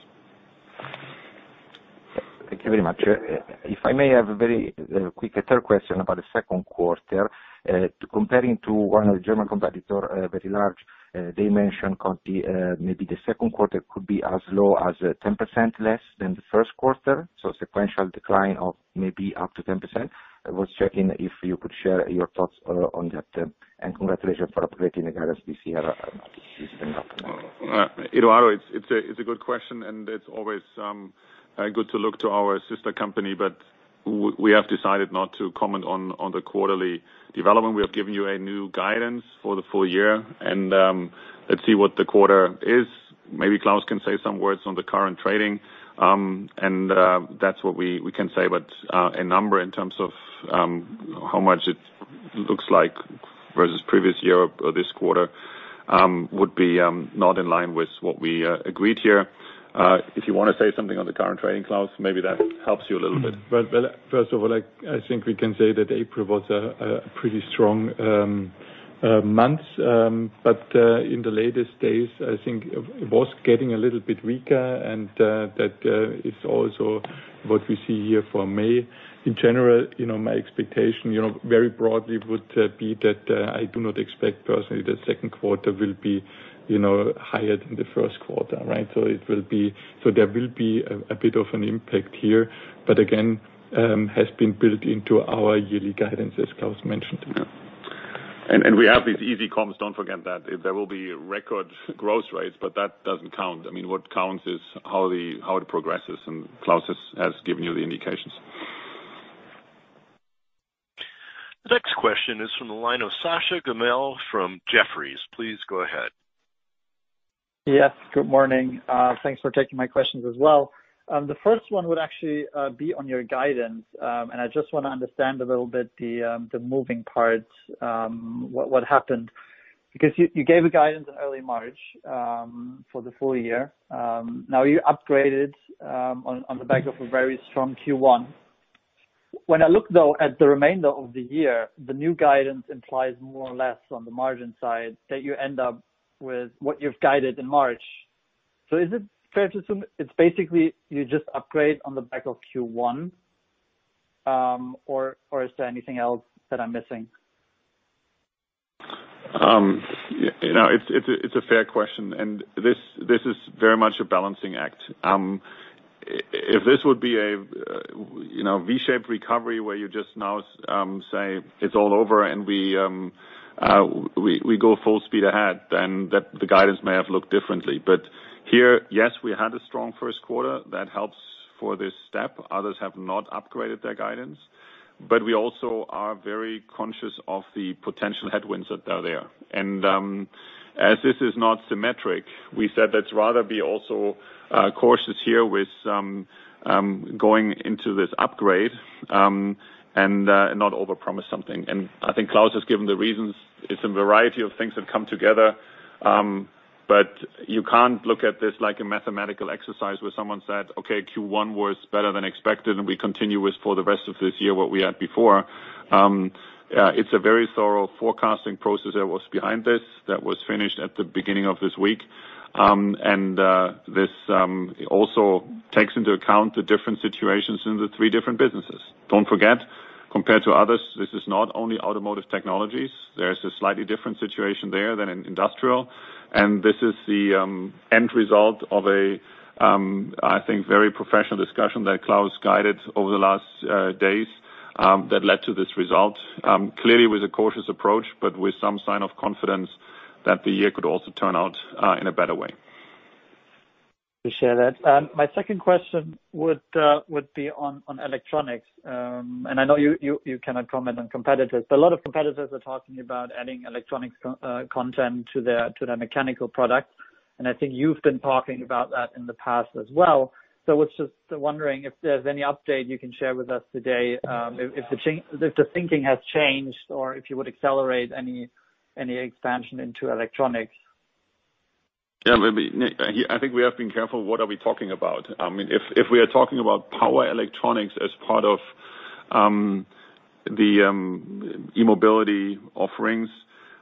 Thank you very much. If I may have a very quick third question about the second quarter. Comparing to one of the German competitor, very large, they mentioned maybe the second quarter could be as low as 10% less than the first quarter, so sequential decline of maybe up to 10%. I was checking if you could share your thoughts on that. Congratulations for operating the guidance this year. It's been up. Edoardo, it's a good question, and it's always good to look to our sister company, but we have decided not to comment on the quarterly development. We have given you a new guidance for the full year, and let's see what the quarter is. Maybe Klaus can say some words on the current trading, and that's what we can say. A number in terms of how much it looks like versus previous year or this quarter would be not in line with what we agreed here. If you want to say something on the current trading, Klaus, maybe that helps you a little bit. First of all, I think we can say that April was a pretty strong month. In the latest days, I think it was getting a little bit weaker and that is also what we see here for May. In general, my expectation very broadly would be that I do not expect personally the second quarter will be higher than the first quarter, right? There will be a bit of an impact here. Again, has been built into our yearly guidance, as Klaus mentioned. Yeah. We have these easy comps, don't forget that. There will be record growth rates, that doesn't count. What counts is how it progresses, and Klaus has given you the indications. The next question is from the line of Sascha Gommel from Jefferies. Please go ahead. Yes, good morning. Thanks for taking my questions as well. The first one would actually be on your guidance. I just want to understand a little bit the moving parts, what happened. You gave a guidance in early March for the full year. Now you upgraded on the back of a very strong Q1. When I look, though, at the remainder of the year, the new guidance implies more or less on the margin side that you end up with what you've guided in March. Is it fair to assume it's basically you just upgrade on the back of Q1? Is there anything else that I'm missing? It's a fair question, and this is very much a balancing act. If this would be a V-shaped recovery where you just now say, "It's all over," and we go full speed ahead, then the guidance may have looked differently. Here, yes, we had a strong first quarter that helps for this step. Others have not upgraded their guidance. We also are very conscious of the potential headwinds that are there. As this is not symmetric, we said let's rather be also cautious here with going into this upgrade, and not overpromise something. I think Klaus has given the reasons. It's a variety of things that come together. You can't look at this like a mathematical exercise where someone said, "Okay, Q1 was better than expected, and we continue as for the rest of this year what we had before." It's a very thorough forecasting process that was behind this, that was finished at the beginning of this week. This also takes into account the different situations in the three different businesses. Don't forget, compared to others, this is not only Automotive Technologies. There's a slightly different situation there than in industrial. This is the end result of a, I think, very professional discussion that Klaus guided over the last days, that led to this result. Clearly, it was a cautious approach, with some sign of confidence that the year could also turn out in a better way. Appreciate that. My second question would be on electronics. I know you cannot comment on competitors, but a lot of competitors are talking about adding electronics content to their mechanical product. I think you've been talking about that in the past as well. I was just wondering if there's any update you can share with us today, if the thinking has changed or if you would accelerate any expansion into electronics. I think we have been careful what are we talking about. If we are talking about power electronics as part of the E-Mobility offerings,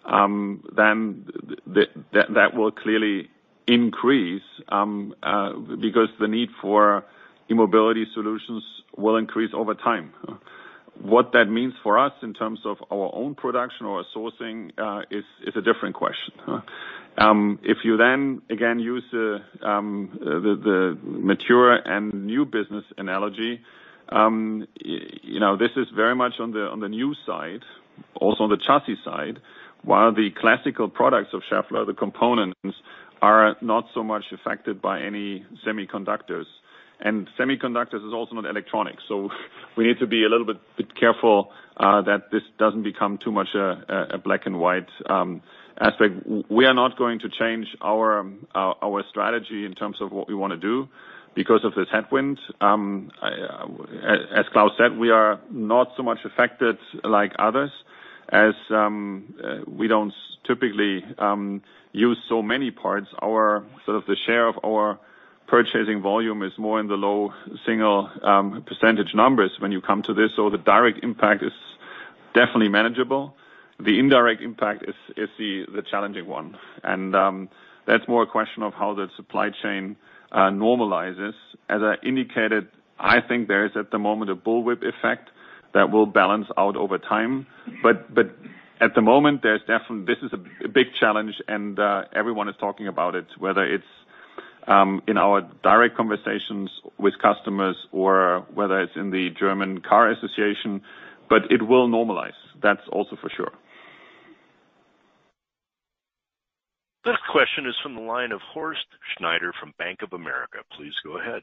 then that will clearly increase, because the need for E-Mobility solutions will increase over time. What that means for us in terms of our own production or sourcing, is a different question. If you then, again, use the mature and new business analogy, this is very much on the new side, also on the chassis side, while the classical products of Schaeffler, the components, are not so much affected by any semiconductors. Semiconductors is also not electronics. We need to be a little bit careful that this doesn't become too much a black and white aspect. We are not going to change our strategy in terms of what we want to do because of this headwind. As Klaus said, we are not so much affected like others, as we don't typically use so many parts. The share of our purchasing volume is more in the low single percentage numbers when you come to this, so the direct impact is definitely manageable. The indirect impact is the challenging one. That's more a question of how the supply chain normalizes. As I indicated, I think there is at the moment, a bullwhip effect that will balance out over time. At the moment, this is a big challenge and everyone is talking about it, whether it's in our direct conversations with customers or whether it's in the German Car Association, but it will normalize. That's also for sure. This question is from the line of Horst Schneider from Bank of America. Please go ahead.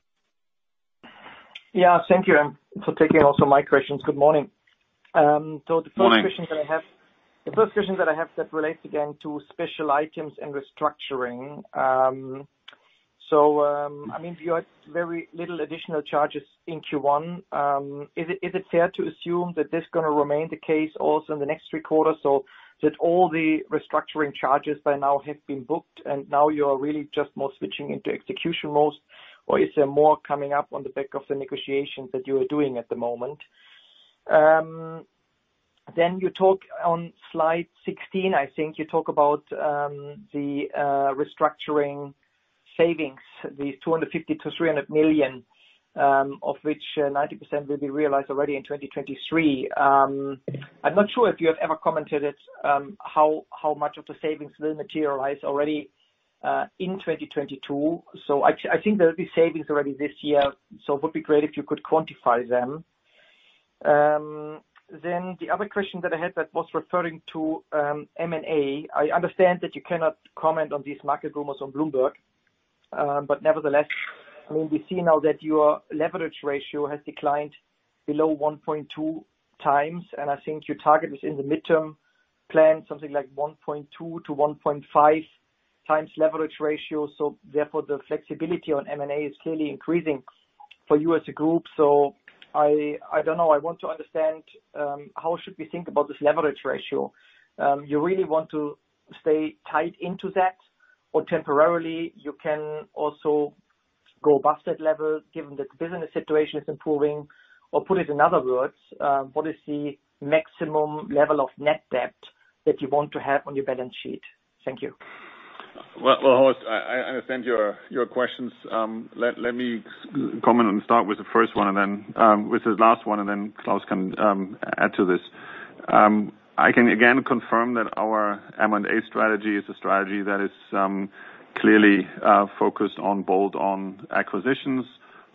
Thank you for taking also my questions. Good morning. Morning. The first question that I have that relates again to special items and restructuring. You had very little additional charges in Q1. Is it fair to assume that this is going to remain the case also in the next three quarters, so that all the restructuring charges by now have been booked and now you are really just more switching into execution mode? Is there more coming up on the back of the negotiations that you are doing at the moment? Then you thought on Slide 16, I think, you talk about the restructuring savings, the 250 million-300 million, of which 90% will be realized already in 2023. I'm not sure if you have ever commented how much of the savings will materialize already in 2022. I think there will be savings already this year, so it would be great if you could quantify them. The other question that I had that was referring to M&A. I understand that you cannot comment on these market rumors on Bloomberg. Nevertheless, we see now that your leverage ratio has declined below 1.2x, and I think your target is in the midterm plan, something like 1.2x-1.5x leverage ratio, therefore, the flexibility on M&A is clearly increasing for you as a group. I don't know. I want to understand how should we think about this leverage ratio. You really want to stay tied into that? Temporarily, you can also go past that level given that the business situation is improving? Put it in other words, what is the maximum level of net debt that you want to have on your balance sheet? Thank you. Well, Horst, I understand your questions. Let me comment and start with the first one, with the last one, and then Klaus can add to this. I can again confirm that our M&A strategy is a strategy that is clearly focused on both on acquisitions,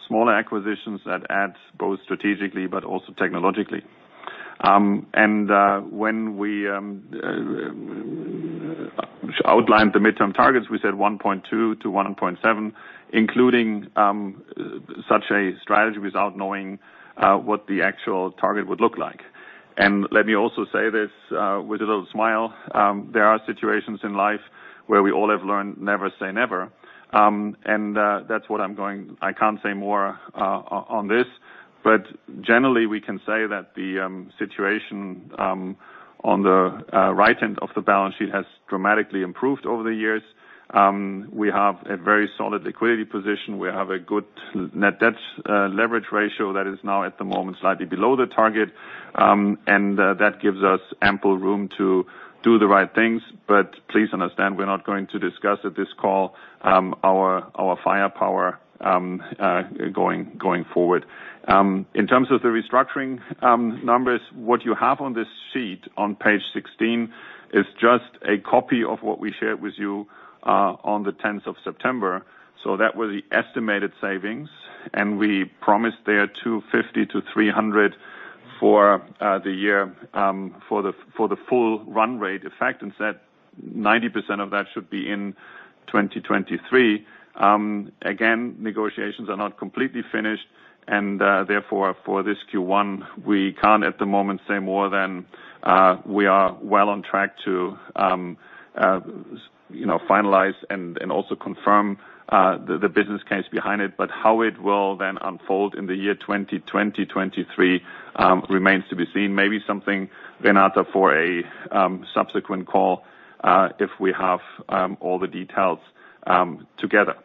smaller acquisitions that adds both strategically but also technologically. When we outlined the midterm targets, we said 1.2-1.7, including such a strategy without knowing what the actual target would look like. Let me also say this with a little smile. There are situations in life where we all have learned never say never. And I can't say more on this. Generally, we can say that the situation on the right end of the balance sheet has dramatically improved over the years. We have a very solid liquidity position. We have a good net debt leverage ratio that is now, at the moment, slightly below the target. That gives us ample room to do the right things. Please understand, we're not going to discuss at this call our firepower going forward. In terms of the restructuring numbers, what you have on this sheet on page 16 is just a copy of what we shared with you on the 10th of September. That were the estimated savings, and we promised there 250-300 for the year, for the full run rate effect, and said 90% of that should be in 2023. Again, negotiations are not completely finished, and therefore, for this Q1, we can't at the moment say more than we are well on track to finalize and also confirm the business case behind it. How it will then unfold in the year 2023 remains to be seen. Maybe something, Renata, for a subsequent call, if we have all the details together.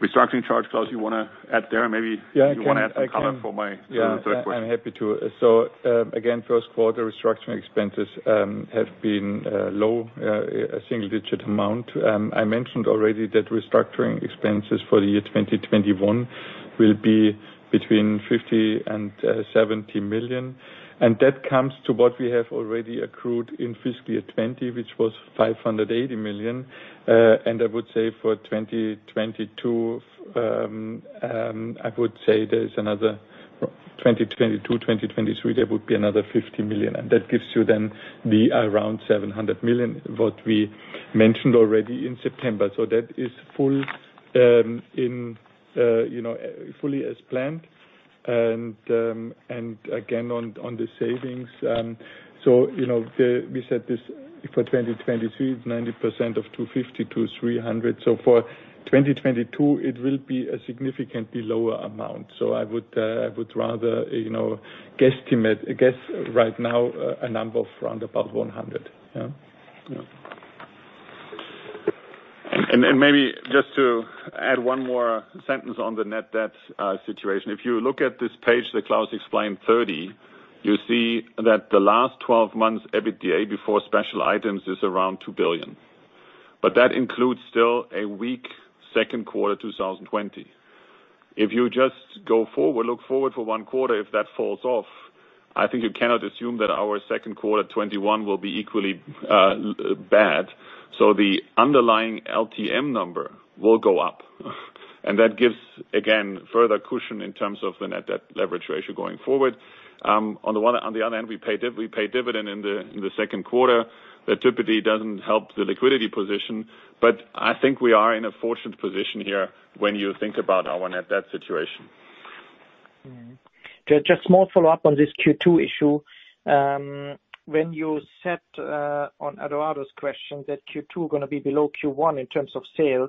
Restructuring charge, Klaus, you want to add there? Maybe you want to add some color for my third question. Yeah, I'm happy to. Again, first quarter restructuring expenses have been low, a single-digit amount. I mentioned already that restructuring expenses for the year 2021 will be between 50 million and 70 million. That comes to what we have already accrued in fiscal year 2020, which was 580 million. I would say for 2022, 2023, there would be another 50 million. That gives you then the around 700 million, what we mentioned already in September. That is fully as planned. Again, on the savings. We said this for 2023, 90% of 250 million-300 million so far. For 2022, it will be a significantly lower amount. I would rather guess right now a number of around about 100 million, yeah? Maybe just to add one more sentence on the net debt situation. If you look at this page that Klaus explained, 30, you see that the last 12 months EBITDA before special items is around 2 billion. That includes still a weak second quarter 2020. If you just go forward, look forward for one quarter, if that falls off, I think you cannot assume that our second quarter 2021 will be equally bad. The underlying LTM number will go up. That gives, again, further cushion in terms of the net debt leverage ratio going forward. On the other hand, we paid dividend in the second quarter. That typically doesn't help the liquidity position. I think we are in a fortunate position here when you think about our net debt situation. Just small follow-up on this Q2 issue. When you said, on Edoardo's question, that Q2 going to be below Q1 in terms of sales,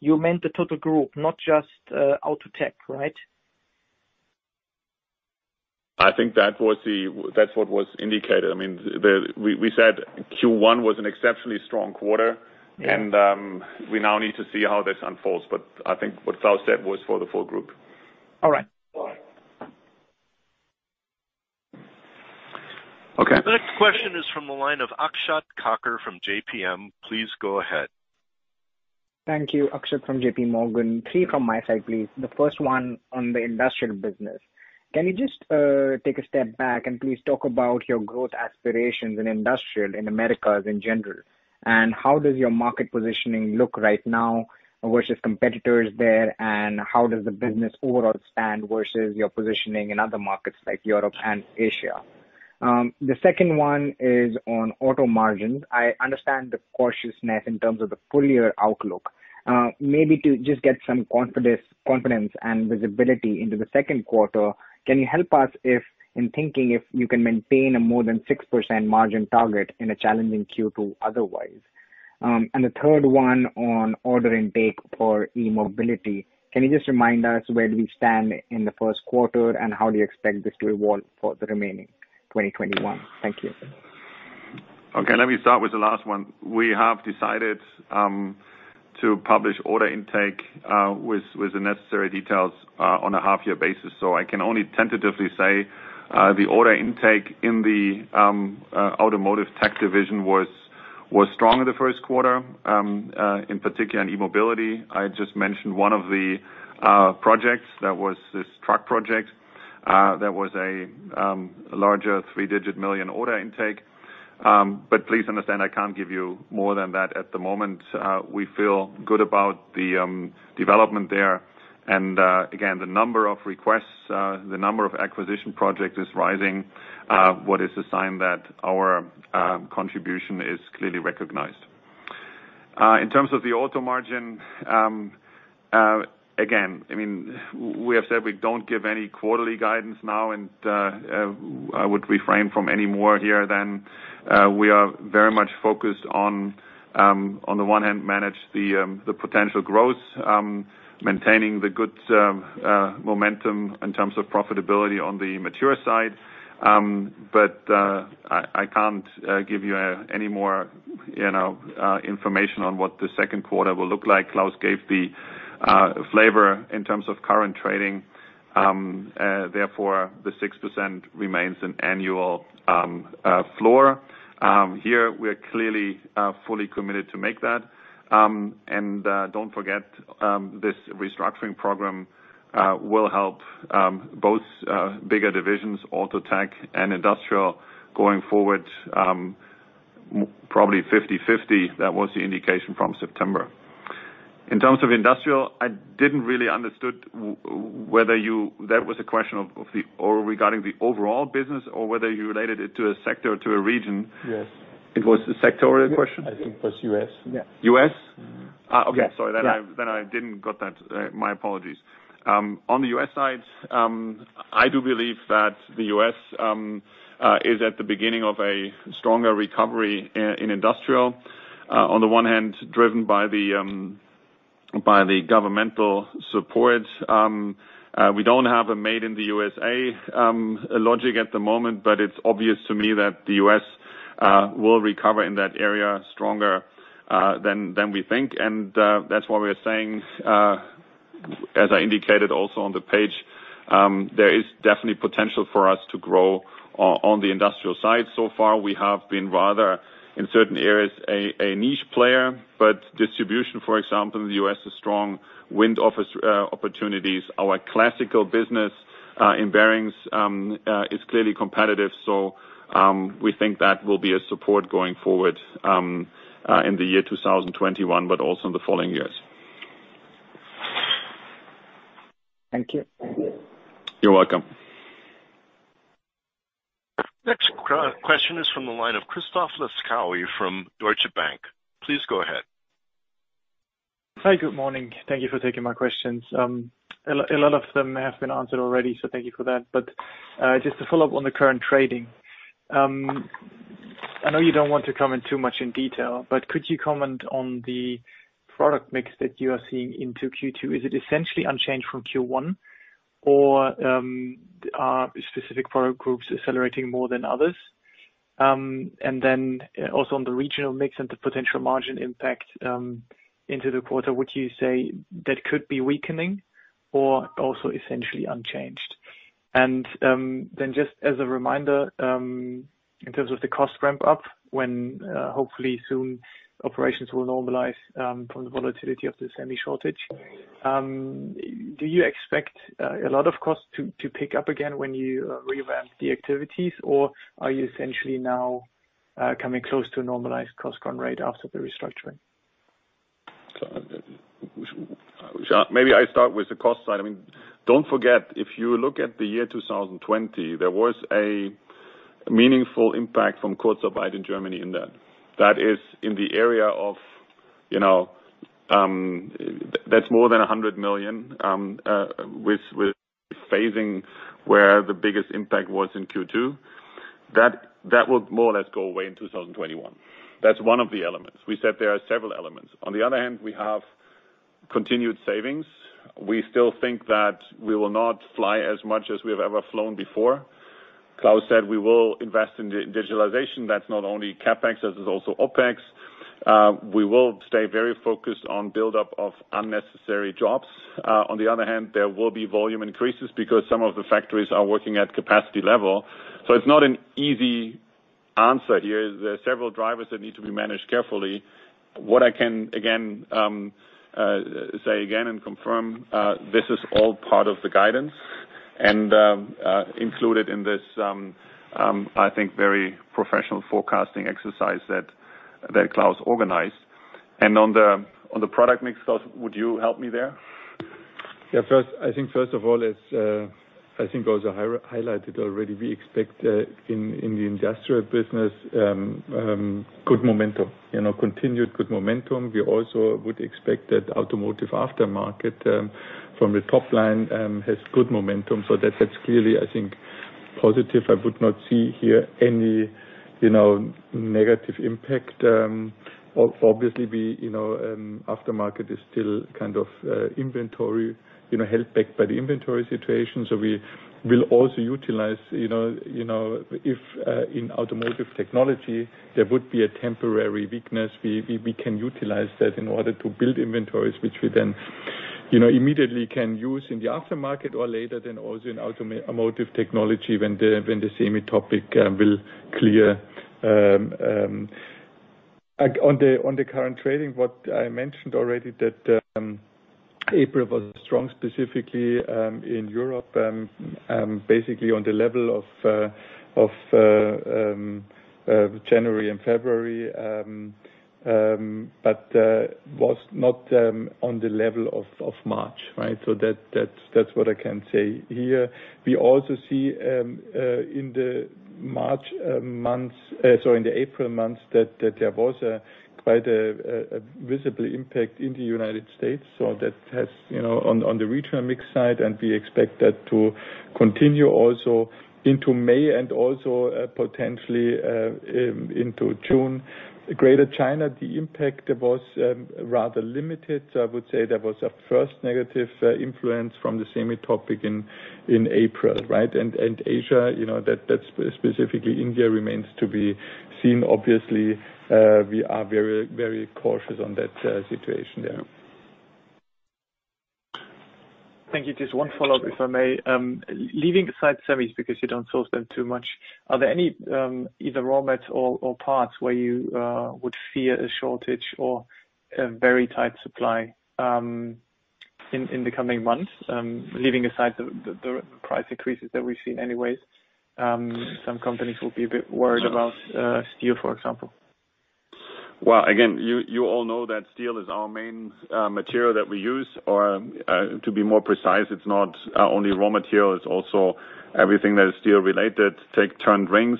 you meant the total group, not just Auto Tech, right? I think that's what was indicated. We said Q1 was an exceptionally strong quarter. Yeah. We now need to see how this unfolds. I think what Klaus said was for the full group. All right. Okay. The next question is from the line of Akshat Kacker from JPMorgan. Please go ahead. Thank you. Akshat from JPMorgan. Three from my side, please. The first one on the Industrial business. Can you just take a step back and please talk about your growth aspirations in Industrial, in Americas in general, and how does your market positioning look right now versus competitors there, and how does the business overall stand versus your positioning in other markets like Europe and Asia? The second one is on auto margins. I understand the cautiousness in terms of the full year outlook. Maybe to just get some confidence and visibility into the second quarter, can you help us if, in thinking, if you can maintain a more than 6% margin target in a challenging Q2 otherwise? The third one on order intake for E-Mobility. Can you just remind us where do we stand in the first quarter, and how do you expect this to evolve for the remaining 2021? Thank you. Let me start with the last one. We have decided to publish order intake with the necessary details on a half-year basis. I can only tentatively say the order intake in the Automotive Tech division was strong in the first quarter. In particular, in E-Mobility. I just mentioned one of the projects, that was this truck project, that was a larger three-digit million order intake. Please understand, I can't give you more than that at the moment. We feel good about the development there. Again, the number of requests, the number of acquisition project is rising, what is a sign that our contribution is clearly recognized. In terms of the auto margin. Again, we have said we don't give any quarterly guidance now, and I would refrain from any more here than we are very much focused on the one hand, manage the potential growth, maintaining the good momentum in terms of profitability on the mature side. I can't give you any more information on what the second quarter will look like. Klaus gave the flavor in terms of current trading, therefore the 6% remains an annual floor. Here we are clearly, fully committed to make that. Don't forget, this restructuring program will help both bigger divisions, Automotive Technologies and Industrial going forward, probably 50/50. That was the indication from September. In terms of Industrial, I didn't really understood whether that was a question regarding the overall business or whether you related it to a sector or to a region. Yes. It was a sectorial question? I think it was U.S., yeah. U.S.? Okay. Sorry, I didn't got that. My apologies. On the U.S. side, I do believe that the U.S. is at the beginning of a stronger recovery in industrial. On the one hand, driven by the governmental support. We don't have a Made in the U.S.A. logic at the moment, but it's obvious to me that the U.S. will recover in that area stronger than we think. That's why we're saying, as I indicated also on the page, there is definitely potential for us to grow on the industrial side. So far we have been, rather, in certain areas, a niche player, but distribution, for example, in the U.S. is strong. Wind offers opportunities. Our classical business in bearings is clearly competitive. We think that will be a support going forward in the year 2021, but also in the following years. Thank you. You're welcome. Next question is from the line of Christoph Laskawi from Deutsche Bank. Please go ahead. Hi, good morning. Thank you for taking my questions. A lot of them have been answered already, so thank you for that. Just to follow up on the current trading. I know you don't want to comment too much in detail, but could you comment on the product mix that you are seeing into Q2? Is it essentially unchanged from Q1 or are specific product groups accelerating more than others? Also on the regional mix and the potential margin impact into the quarter. Would you say that could be weakening or also essentially unchanged? Just as a reminder, in terms of the cost ramp up, when hopefully soon operations will normalize from the volatility of the semi shortage. Do you expect a lot of costs to pick up again when you revamp the activities or are you essentially now coming close to a normalized cost run rate after the restructuring? Maybe I start with the cost side. Don't forget, if you look at the year 2020, there was a meaningful impact from Kurzarbeit in Germany in that. That's more than 100 million with phasing where the biggest impact was in Q2. That would more or less go away in 2021. That's one of the elements. We said there are several elements. On the other hand, we have continued savings. We still think that we will not fly as much as we have ever flown before. Klaus said we will invest in the digitalization. That's not only CapEx, this is also OpEx. We will stay very focused on build-up of unnecessary jobs. On the other hand, there will be volume increases because some of the factories are working at capacity level. It's not an easy answer here. There are several drivers that need to be managed carefully. What I can say again and confirm, this is all part of the guidance and included in this, I think, very professional forecasting exercise that Klaus organized. On the product mix, Klaus, would you help me there? I think first of all, as I think also highlighted already, we expect in the Industrial business, good momentum, continued good momentum. We also would expect that Automotive Aftermarket from the top line has good momentum. That's clearly, I think, positive. I would not see here any negative impact. Obviously, Automotive Aftermarket is still kind of held back by the inventory situation. We will also utilize if in Automotive Technologies there would be a temporary weakness, we can utilize that in order to build inventories, which we then immediately can use in the aftermarket or later than also in Automotive Technologies when the semi topic will clear. On the current trading, what I mentioned already that April was strong, specifically in Europe, basically on the level of January and February, but was not on the level of March, right? That's what I can say here. We also see in the April months that there was quite a visible impact in the United States, on the return mix side. We expect that to continue also into May and also potentially into June. Greater China, the impact was rather limited. I would say there was a first negative influence from the semi topic in April, right? Asia, specifically India, remains to be seen. Obviously, we are very cautious on that situation there. Thank you. Just one follow-up, if I may. Leaving aside semis, because you don't source them too much, are there any, either raw mats or parts, where you would fear a shortage or a very tight supply in the coming months? Leaving aside the price increases that we've seen anyways. Some companies will be a bit worried about steel, for example. Well, again, you all know that steel is our main material that we use, or to be more precise, it's not only raw material, it's also everything that is steel-related, take turned rings.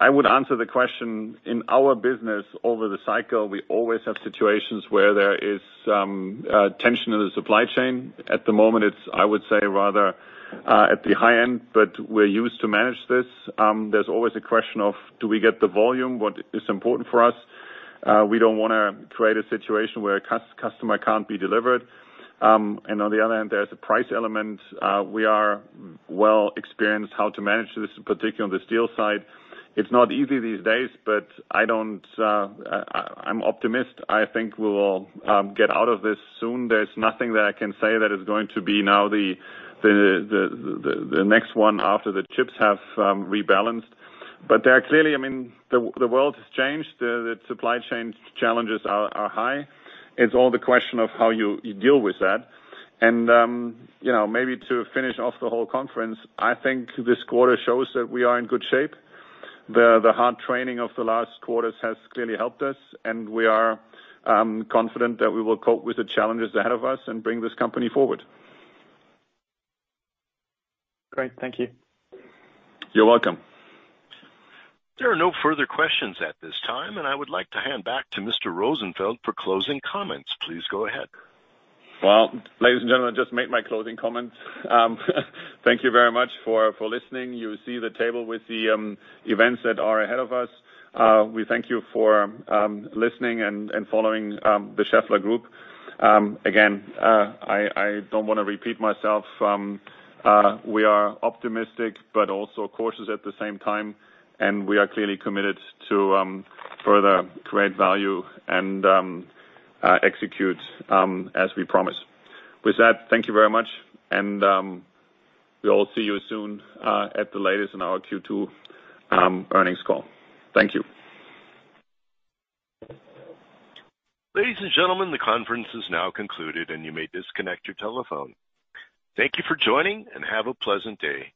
I would answer the question, in our business over the cycle, we always have situations where there is tension in the supply chain. At the moment it's, I would say, rather at the high end, but we're used to manage this. There's always a question of, do we get the volume? What is important for us, we don't want to create a situation where a customer can't be delivered. On the other hand, there's a price element. We are well experienced how to manage this, particularly on the steel side. It's not easy these days, but I'm optimist. I think we'll get out of this soon. There's nothing that I can say that is going to be now the next one after the chips have rebalanced. There are clearly, the world has changed. The supply chain challenges are high. It's all the question of how you deal with that. Maybe to finish off the whole conference, I think this quarter shows that we are in good shape. The hard training of the last quarters has clearly helped us, and we are confident that we will cope with the challenges ahead of us and bring this company forward. Great. Thank you. You're welcome. There are no further questions at this time. I would like to hand back to Mr. Rosenfeld for closing comments. Please go ahead. Well, ladies and gentlemen, I just made my closing comments. Thank you very much for listening. You see the table with the events that are ahead of us. We thank you for listening and following the Schaeffler Group. Again, I don't want to repeat myself. We are optimistic, but also cautious at the same time, and we are clearly committed to further create value and execute, as we promise. With that, thank you very much, and we'll all see you soon, at the latest in our Q2 earnings call. Thank you. Ladies and gentlemen, the conference is now concluded and you may disconnect your telephone. Thank you for joining, and have a pleasant day.